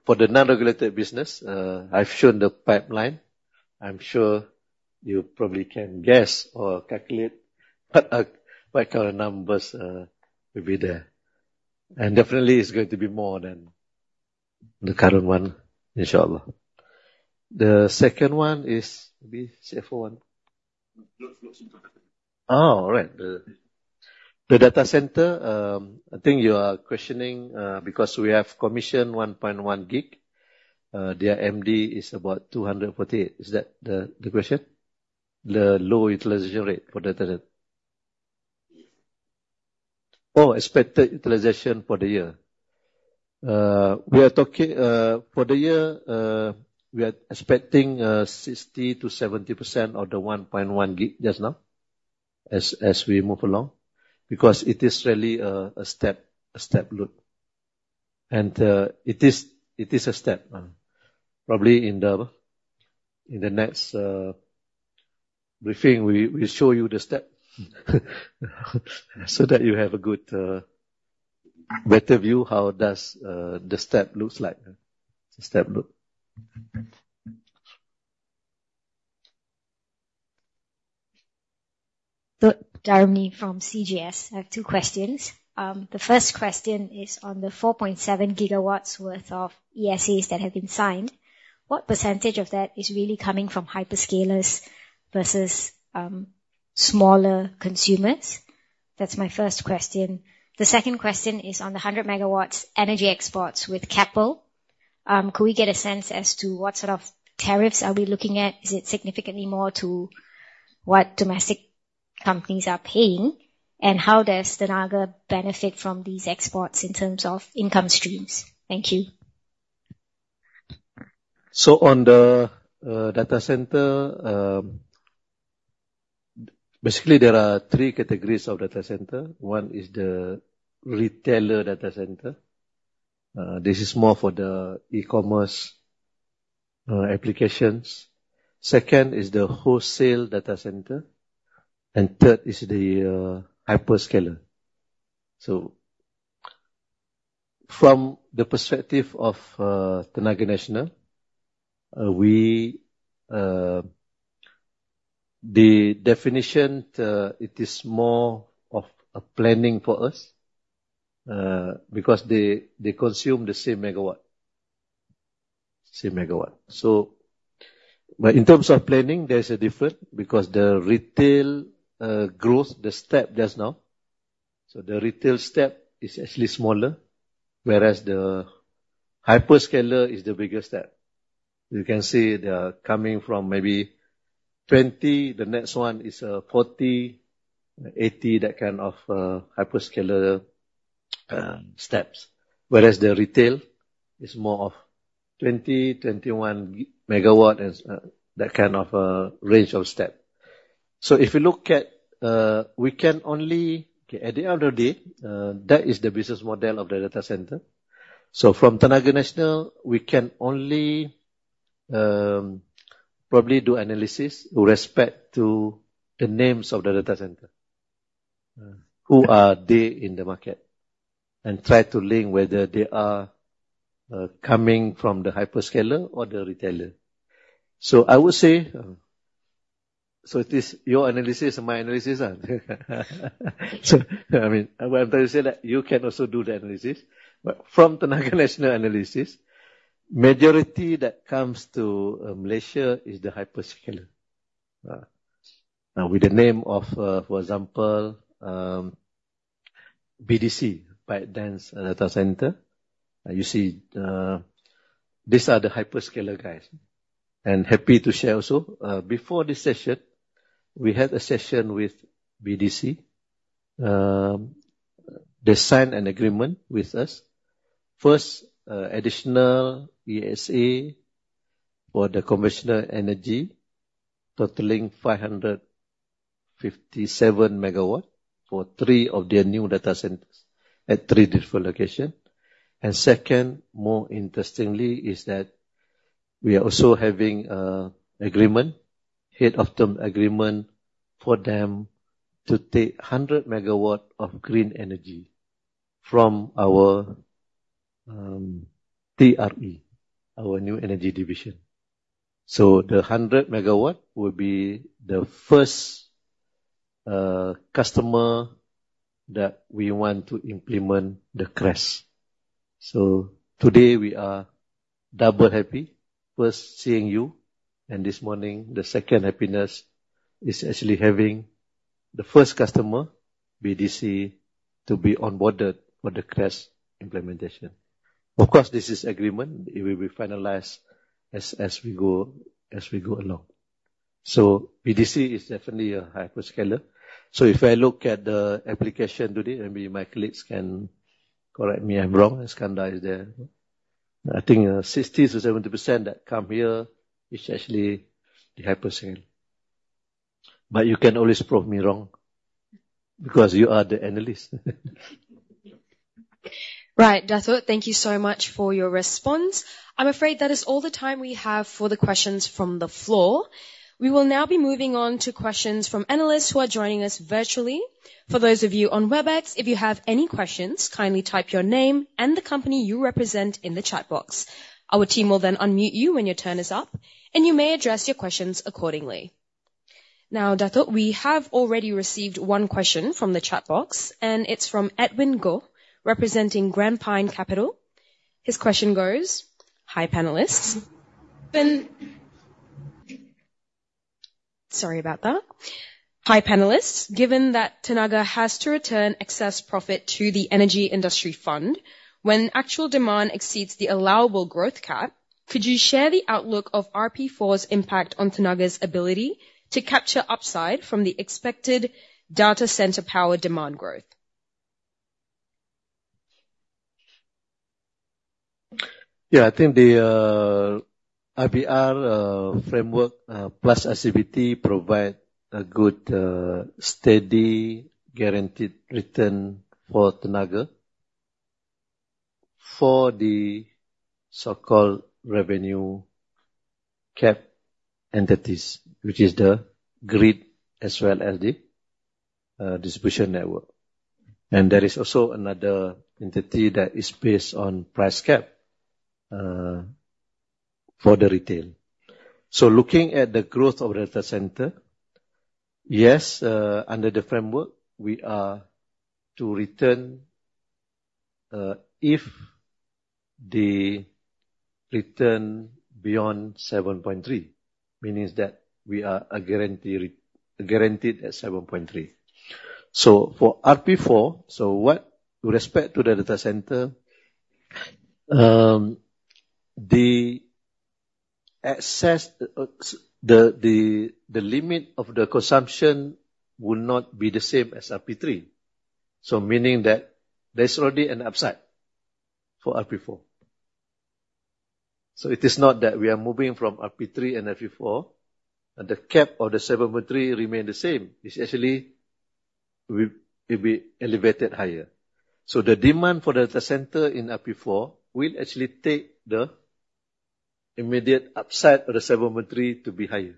Speaker 2: for the non-regulated business, I've shown the pipeline. I'm sure you probably can guess or calculate what kind of numbers will be there. And definitely, it's going to be more than the current one, inshallah. The second one is CFO one. Oh, right. The data center, I think you are questioning because we have commissioned 1.1 gig. Their MD is about 248. Is that the question? The low utilization rate for the data. Oh, expected utilization for the year. For the year, we are expecting 60%-70% of the 1.1 gig just now as we move along because it is really a step load. And it is a step. Probably in the next briefing, we'll show you the step so that you have a better view how the step looks like.
Speaker 6: Darwin from CGS, I have two questions. The first question is on the 4.7 gigawatts worth of ESAs that have been signed. What percentage of that is really coming from hyperscalers versus smaller consumers? That's my first question. The second question is on the 100 megawatts energy exports with Keppel. Could we get a sense as to what sort of tariffs are we looking at? Is it significantly more to what domestic companies are paying? And how does Tenaga benefit from these exports in terms of income streams? Thank you.
Speaker 2: So on the data center, basically, there are three categories of data center. One is the retailer data center. This is more for the e-commerce applications. Second is the wholesale data center. And third is the hyperscaler. So from the perspective of Tenaga Nasional, the definition, it is more of a planning for us because they consume the same megawatt. So in terms of planning, there's a difference because the retail growth, the step just now, so the retail step is actually smaller, whereas the hyperscaler is the biggest step. You can see they are coming from maybe 20, the next one is 40, 80, that kind of hyperscaler steps. Whereas the retail is more of 20-21 megawatts, and that kind of range of step. So if you look at, we can only, at the end of the day, that is the business model of the data center. So from Tenaga Nasional, we can only probably do analysis with respect to the names of the data center, who are there in the market, and try to link whether they are coming from the hyperscaler or the retailer. So I would say, so it is your analysis and my analysis. I mean, I'm trying to say that you can also do the analysis. But from Tenaga Nasional analysis, majority that comes to Malaysia is the hyperscaler. Now, with the name of, for example, BDC, ByteDance Data Center, you see these are the hyperscaler guys. And happy to share also. Before this session, we had a session with BDC. They signed an agreement with us. First, additional ESA for the conventional energy, totaling 557 megawatts for three of their new data centers at three different locations. And second, more interestingly, is that we are also having a heads-of-term agreement for them to take 100 megawatts of green energy from our TRE, our new energy division. So the 100 megawatts will be the first customer that we want to implement the CRESS. So today, we are double happy. First, seeing you. And this morning, the second happiness is actually having the first customer, BDC, to be onboarded for the CRESS implementation. Of course, this is an agreement. It will be finalized as we go along. So BDC is definitely a hyperscaler. So if I look at the application today, maybe my colleagues can correct me if I'm wrong. I think 60%-70% that come here is actually the hyperscaler. But you can always prove me wrong because you are the analyst.
Speaker 1: Right, Dato', thank you so much for your response. I'm afraid that is all the time we have for the questions from the floor. We will now be moving on to questions from analysts who are joining us virtually. For those of you on WebEx, if you have any questions, kindly type your name and the company you represent in the chat box. Our team will then unmute you when your turn is up, and you may address your questions accordingly. Now, Dato', we have already received one question from the chat box, and it's from Edwin Goh, representing Grandpine Capital. His question goes, "Hi panelists." Sorry about that. "Hi panelists. Given that Tenaga has to return excess profit to the energy industry fund, when actual demand exceeds the allowable growth cap, could you share the outlook of RP4's impact on Tenaga's ability to capture upside from the expected data center power demand growth?
Speaker 2: Yeah, I think the IBR framework plus ICPT provides a good, steady, guaranteed return for Tenaga for the so-called revenue cap entities, which is the grid as well as the distribution network, and there is also another entity that is based on price cap for the retail. So looking at the growth of the data center, yes, under the framework, we are to return if the return beyond 7.3, meaning that we are guaranteed at 7.3. For RP4, what with respect to the data center, the limit of the consumption will not be the same as RP3. Meaning that there's already an upside for RP4. It is not that we are moving from RP3 and RP4. The cap of the 7.3% remains the same. It's actually, it will be elevated higher. The demand for the data center in RP4 will actually take the immediate upside of the 7.3% to be higher.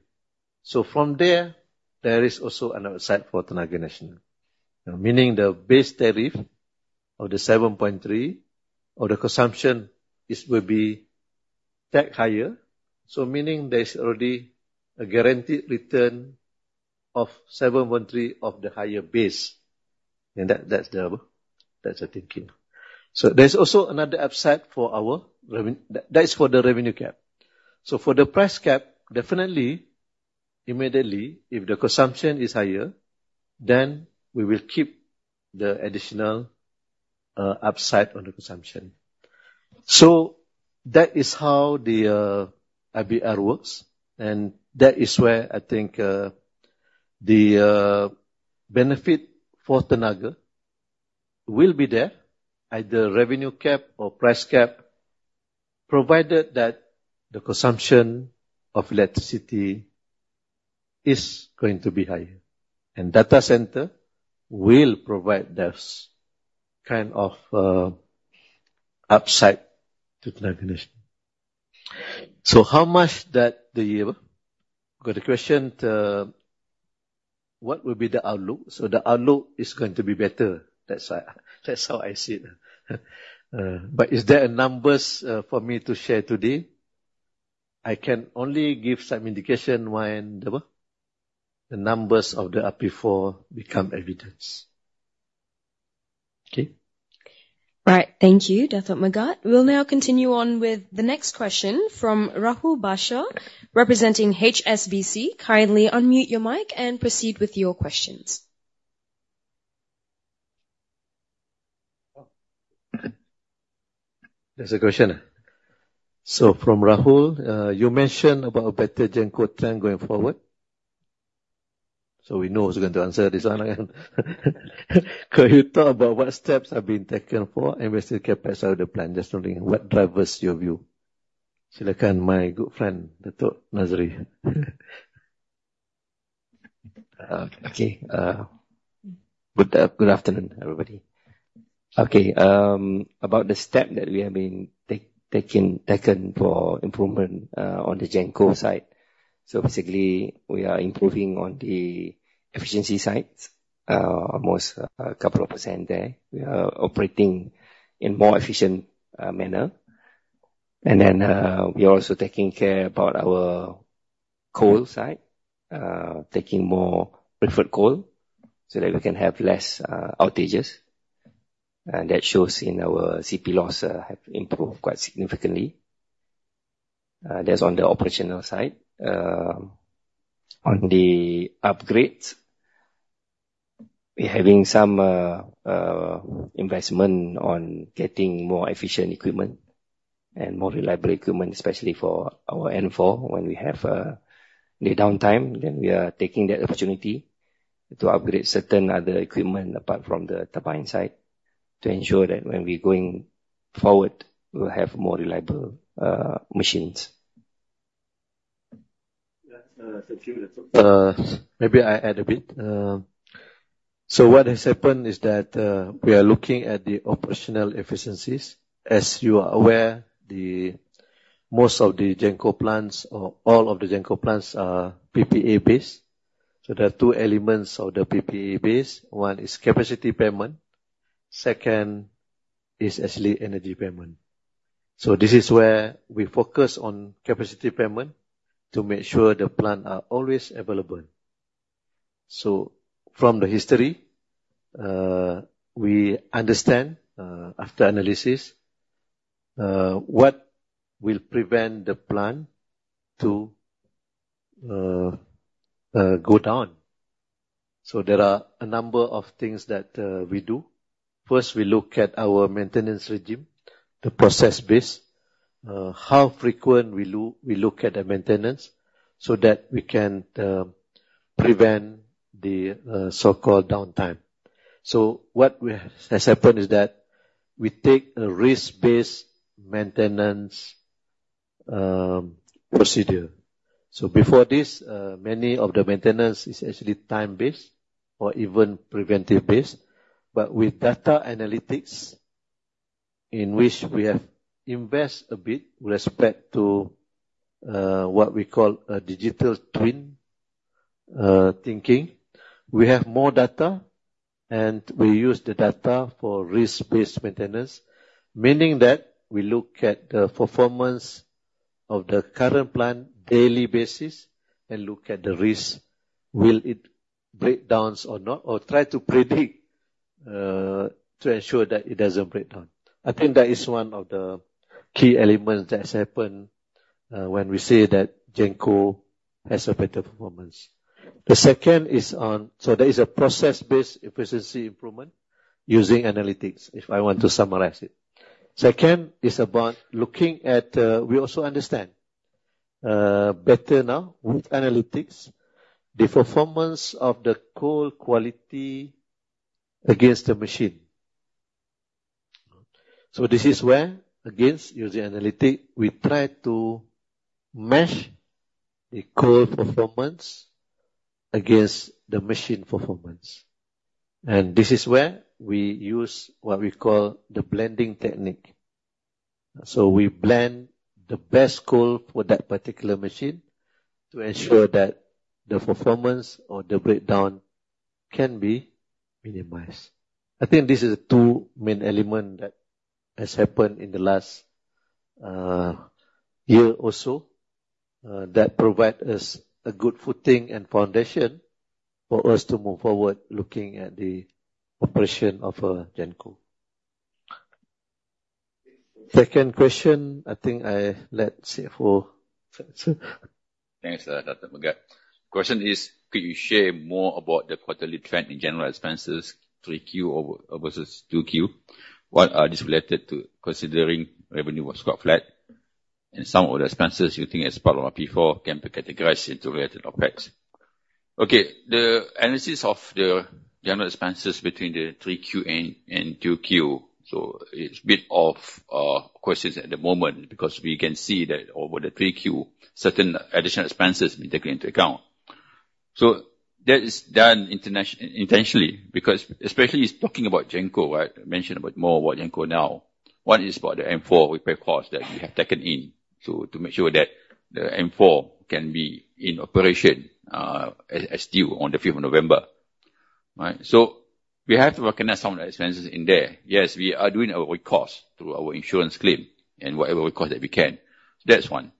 Speaker 2: From there, there is also an upside for Tenaga Nasional, meaning the base tariff of the 7.3% or the consumption will be tagged higher. Meaning there's already a guaranteed return of 7.3% of the higher base, and that's the thinking. There's also another upside for our revenue. That is for the revenue cap. For the price cap, definitely, immediately, if the consumption is higher, then we will keep the additional upside on the consumption. That is how the IBR works. And that is where I think the benefit for Tenaga will be there, either revenue cap or price cap, provided that the consumption of electricity is going to be higher. Data center will provide that kind of upside to Tenaga Nasional. So how much that the year? Got a question to what will be the outlook? So the outlook is going to be better. That's how I see it. But is there numbers for me to share today? I can only give some indication when the numbers of the RP4 become evident. Okay.
Speaker 1: All right. Thank you, Dato' Megat. We'll now continue on with the next question from Rahul Bhatia, representing HSBC. Kindly unmute your mic and proceed with your questions.
Speaker 7: There's a question. So from Rahul, you mentioned about a better GenCo trend going forward. So we know who's going to answer this one. Can you talk about what steps have been taken for investing Capex out of the plan? Just wondering what drivers your view. Silakan, my good friend, Dato' Nor Azman.
Speaker 8: Okay. Good afternoon, everybody. Okay. About the step that we have been taken for improvement on the GenCo side. So basically, we are improving on the efficiency side, almost a couple of % there. We are operating in a more efficient manner. And then we are also taking care about our coal side, taking more preferred coal so that we can have less outages. And that shows in our CP loss have improved quite significantly. That's on the operational side. On the upgrades, we're having some investment on getting more efficient equipment and more reliable equipment, especially for our N4. When we have the downtime, then we are taking that opportunity to upgrade certain other equipment apart from the turbine side to ensure that when we're going forward, we'll have more reliable machines. I add a bit. So what has happened is that we are looking at the operational efficiencies. As you are aware, most of the Jimah plants, all of the Jimah plants are PPA-based. So there are two elements of the PPA-base. One is capacity payment. Second is actually energy payment. So this is where we focus on capacity payment to make sure the plants are always available. So from the history, we understand after analysis what will prevent the plant to go down. So there are a number of things that we do. First, we look at our maintenance regime, the process-based, how frequent we look at the maintenance so that we can prevent the so-called downtime, so what has happened is that we take a risk-based maintenance procedure, so before this, many of the maintenance is actually time-based or even preventive-based. But with data analytics, in which we have invested a bit with respect to what we call a digital twin thinking, we have more data, and we use the data for risk-based maintenance, meaning that we look at the performance of the current plant on a daily basis and look at the risk, will it break down or not, or try to predict to ensure that it doesn't break down. I think that is one of the key elements that has happened when we say that GenCo has a better performance. The second is on, so there is a process-based efficiency improvement using analytics, if I want to summarize it. Second is about looking at, we also understand better now with analytics, the performance of the coal quality against the machine. So this is where, against using analytics, we try to match the coal performance against the machine performance. And this is where we use what we call the blending technique. So we blend the best coal for that particular machine to ensure that the performance or the breakdown can be minimized. I think these are the two main elements that have happened in the last year or so that provide us a good footing and foundation for us to move forward looking at the operation of GenCo. Second question, I think I let it say for.
Speaker 2: Thanks, Dato' Megat. The question is, could you share more about the quarterly trend in general expenses, 3Q versus 2Q? What are these related to considering revenue was quite flat, and some of the expenses you think as part of RP4 can be categorized into related OpEx? Okay. The analysis of the general expenses between the 3Q and 2Q, so it's a bit questionable at the moment because we can see that over the 3Q, certain additional expenses have been taken into account. So that is done intentionally because especially talking about GenCo, right? Mentioned a bit more about GenCo now. One is about the N4 repair costs that we have taken into to make sure that the N4 can be in operation as due on the 5th of November. Right? So we have to recognize some of the expenses in there. Yes, we are doing our recourse through our insurance claim and whatever recourse that we can. That's one.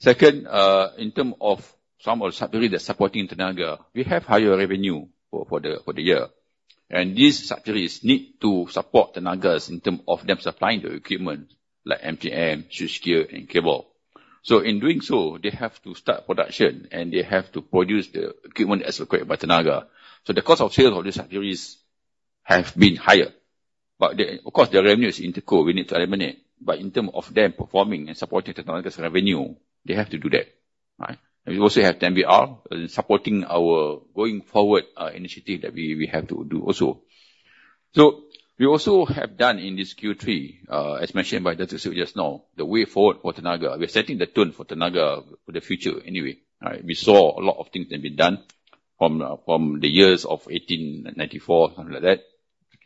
Speaker 2: Second, in terms of some of the subsidies that are supporting Tenaga, we have higher revenue for the year. And these subsidies need to support Tenaga's in terms of them supplying the equipment like MTM, switchgear, and cable. So in doing so, they have to start production, and they have to produce the equipment as required by Tenaga. So the cost of sale of these subsidies has been higher. But of course, the revenue is interrelated. We need to eliminate. But in terms of them performing and supporting Tenaga's revenue, they have to do that. We also have the TNBR supporting our going forward initiative that we have to do also. So we also have done in this Q3, as mentioned by Datuk Seri just now, the way forward for Tenaga. We're setting the tone for Tenaga for the future anyway. We saw a lot of things that have been done from the years of 1894, something like that,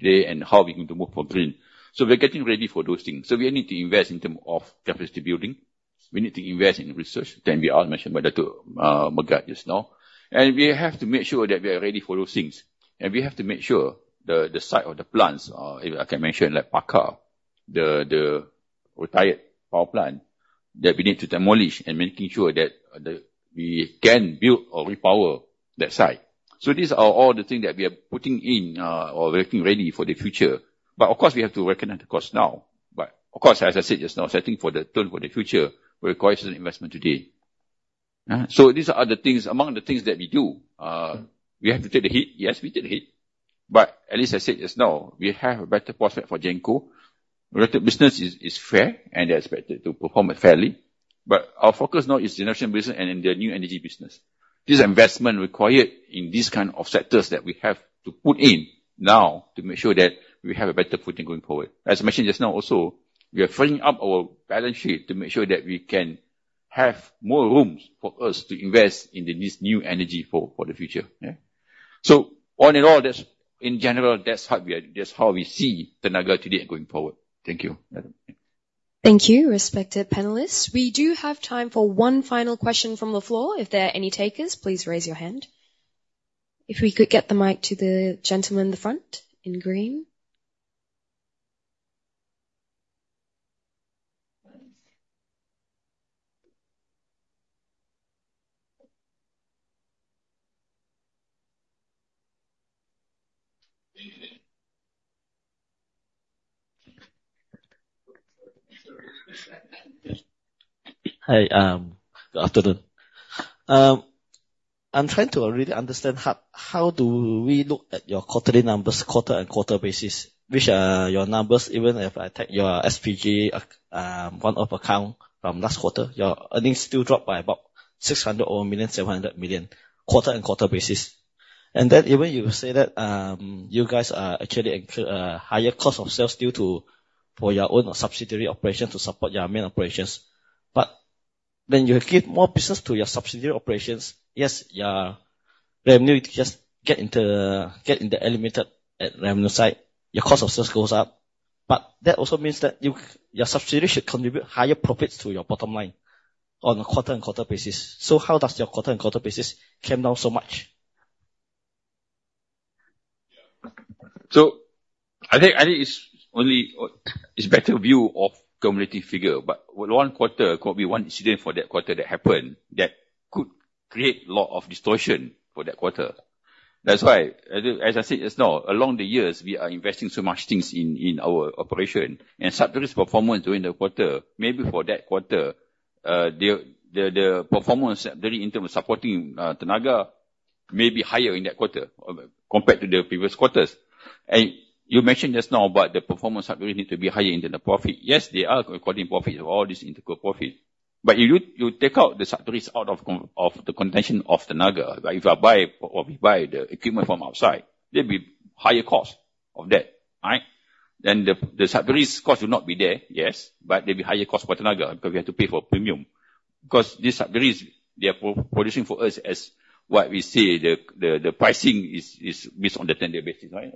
Speaker 2: today, and how we're going to move to green, so we're getting ready for those things, so we need to invest in terms of capacity building. We need to invest in research, the R&D mentioned by Dato' Megat just now, and we have to make sure that we are ready for those things, and we have to make sure the site of the plants, I can mention like Paka, the retired power plant, that we need to demolish and making sure that we can build or repower that site. So these are all the things that we are putting in or working ready for the future, but of course, we have to recognize the cost now. But of course, as I said just now, setting the tone for the future requires an investment today. So these are the things, among the things that we do. We have to take the hit. Yes, we take the hit. But at least, as I said just now, we have a better prospect for GenCo. Regulated business is fair, and they're expected to perform fairly. But our focus now is generation business and in the new energy business. These are investments required in these kinds of sectors that we have to put in now to make sure that we have a better footing going forward. As I mentioned just now also, we are filling up our balance sheet to make sure that we can have more room for us to invest in this new energy for the future. So all in all, in general, that's how we see Tenaga today going forward. Thank you.
Speaker 1: Thank you, respected panelists. We do have time for one final question from the floor. If there are any takers, please raise your hand. If we could get the mic to the gentleman in the front in green.
Speaker 9: Hi. Good afternoon. I'm trying to really understand how do we look at your quarterly numbers quarter-on-quarter basis, which are your numbers, even if I take your SPG one-off account from last quarter, your earnings still drop by about 600 million or 1,700 million quarter-on-quarter basis. And then even you say that you guys actually incur a higher cost of sales still for your own subsidiary operations to support your main operations. But then you give more business to your subsidiary operations. Yes, your revenue just gets into the limited revenue side. Your cost of sales goes up, but that also means that your subsidiary should contribute higher profits to your bottom line on a quarter-on-quarter basis, so how does your quarter-on-quarter basis come down so much?
Speaker 3: I think it's only a better view of cumulative figure, but one quarter could be one incident for that quarter that happened that could create a lot of distortion for that quarter. That's why, as I said just now, along the years, we are investing so much things in our operation. Subsidiary's performance during the quarter, maybe for that quarter, the performance in terms of supporting Tenaga may be higher in that quarter compared to the previous quarters. You mentioned just now about the performance subsidiary need to be higher in terms of profit. Yes, they are recording profits of all these intercalated profits. But if you take out the subsidiaries out of the contention of Tenaga, if I buy or we buy the equipment from outside, there'll be higher cost of that. Right? Then the subsidiary's cost will not be there, yes, but there'll be higher cost for Tenaga because we have to pay for premium. Because these subsidiaries, they are producing for us as what we say the pricing is based on the ten year basis. Right?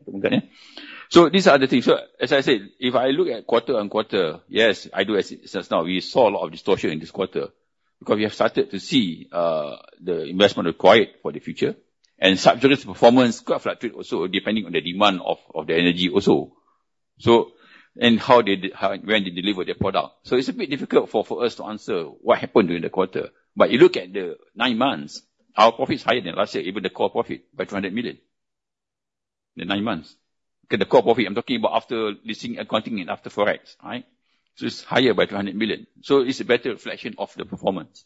Speaker 3: So these are the things. So as I said, if I look at quarter-on-quarter, yes, I do as it is just now, we saw a lot of distortion in this quarter because we have started to see the investment required for the future. And subsidiary's performance quite fluctuate also depending on the demand of the energy also. So and how they deliver their product. So it's a bit difficult for us to answer what happened during the quarter. But you look at the nine months, our profit is higher than last year, even the core profit by 200 million in the nine months. The core profit, I'm talking about after listing accounting and after Forex. Right? So it's higher by 200 million. So it's a better reflection of the performance.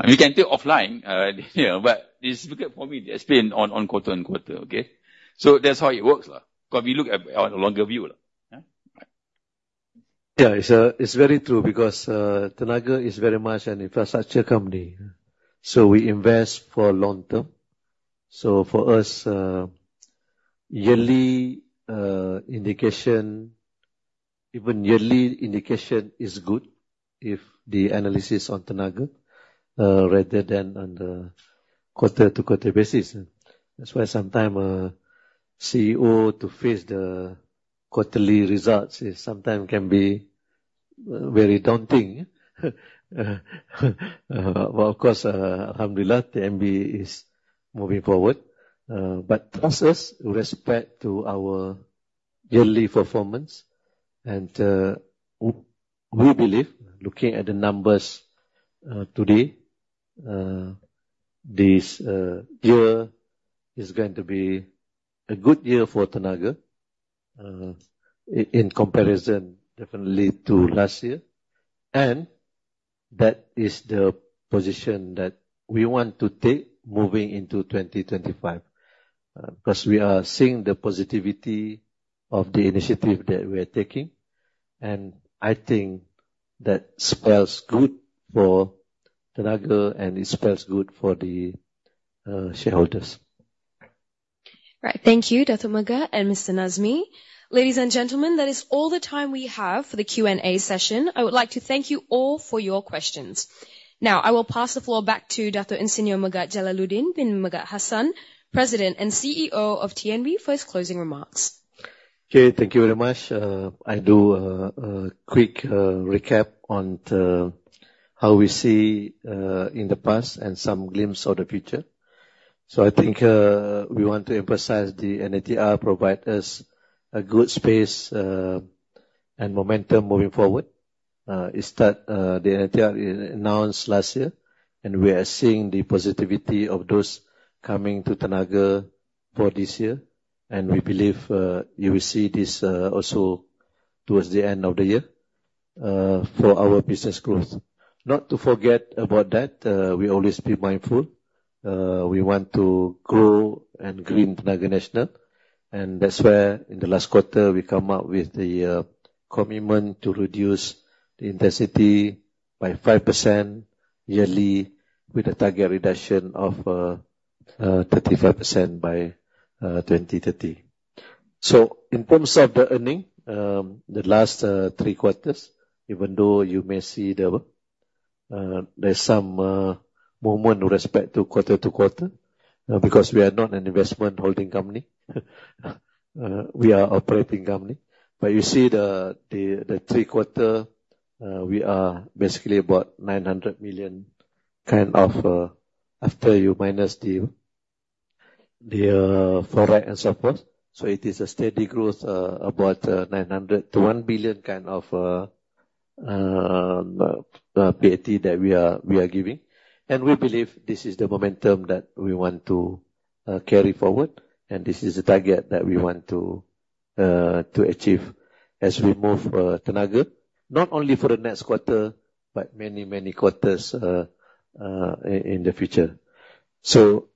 Speaker 3: And we can take offline, but it's difficult for me to explain on quarter-on-quarter. Okay? So that's how it works because we look at a longer view. Yeah,
Speaker 2: it's very true because Tenaga is very much an infrastructure company. So we invest for long term. So for us, yearly indication, even yearly indication is good if the analysis on Tenaga rather than on the quarter-to-quarter basis. That's why sometimes CEO to face the quarterly results sometimes can be very daunting. But of course, Alhamdulillah, TNB is moving forward. But trust us with respect to our yearly performance. And we believe, looking at the numbers today, this year is going to be a good year for Tenaga in comparison definitely to last year. And that is the position that we want to take moving into 2025 because we are seeing the positivity of the initiative that we are taking. And I think that spells good for Tenaga and it spells good for the shareholders.
Speaker 1: Right. Thank you, Dato' Megat and Mr. Nazmi. Ladies and gentlemen, that is all the time we have for the Q&A session. I would like to thank you all for your questions. Now, I will pass the floor back to Dato' Ir. Megat Jalaluddin bin Megat Hassan, President and CEO of TNB, for his closing remarks.
Speaker 2: Okay, thank you very much. I'll do a quick recap on how we see in the past and some glimpse of the future. So I think we want to emphasize the NATR provides us a good space and momentum moving forward. It's that the NATR announced last year, and we are seeing the positivity of those coming to Tenaga for this year. And we believe you will see this also towards the end of the year for our business growth. Not to forget about that, we always be mindful. We want to grow and green Tenaga Nasional. And that's why in the last quarter, we come up with the commitment to reduce the intensity by 5% yearly with a target reduction of 35% by 2030. So in terms of the earning, the last three quarters, even though you may see there's some movement with respect to quarter-to-quarter because we are not an investment holding company. We are an operating company, but you see the three quarters, we are basically about 900 million kind of after you minus the Forex and so forth, so it is a steady growth about 900 million-1 billion kind of PAT that we are giving, and we believe this is the momentum that we want to carry forward, and this is the target that we want to achieve as we move Tenaga, not only for the next quarter, but many, many quarters in the future, so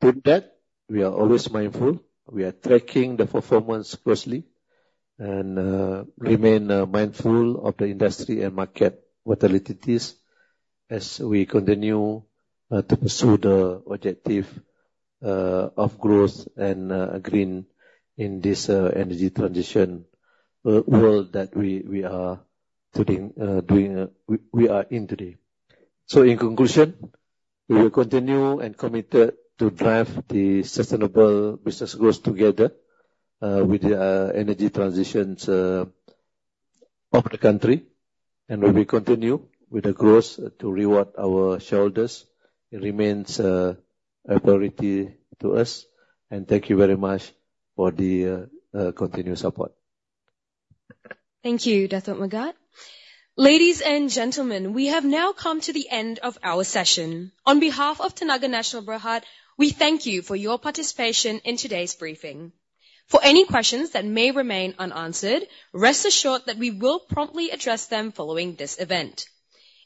Speaker 2: with that, we are always mindful, we are tracking the performance closely and remain mindful of the industry and market volatilities as we continue to pursue the objective of growth and green in this energy transition world that we are in today, so in conclusion, we will continue and commit to drive the sustainable business growth together with the energy transitions of the country. We will continue with the growth to reward our shareholders. It remains a priority to us. Thank you very much for the continued support.
Speaker 1: Thank you, Dato' Megat. Ladies and gentlemen, we have now come to the end of our session. On behalf of Tenaga Nasional Berhad, we thank you for your participation in today's briefing. For any questions that may remain unanswered, rest assured that we will promptly address them following this event.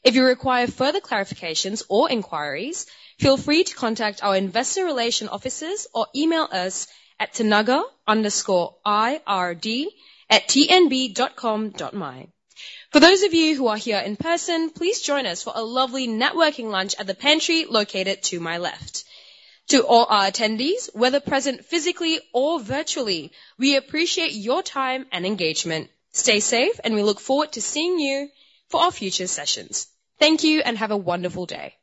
Speaker 1: If you require further clarifications or inquiries, feel free to contact our investor relation offices or email us at tenaga_ird@tnb.com.my. For those of you who are here in person, please join us for a lovely networking lunch at the pantry located to my left. To all our attendees, whether present physically or virtually, we appreciate your time and engagement. Stay safe, and we look forward to seeing you for our future sessions. Thank you and have a wonderful day.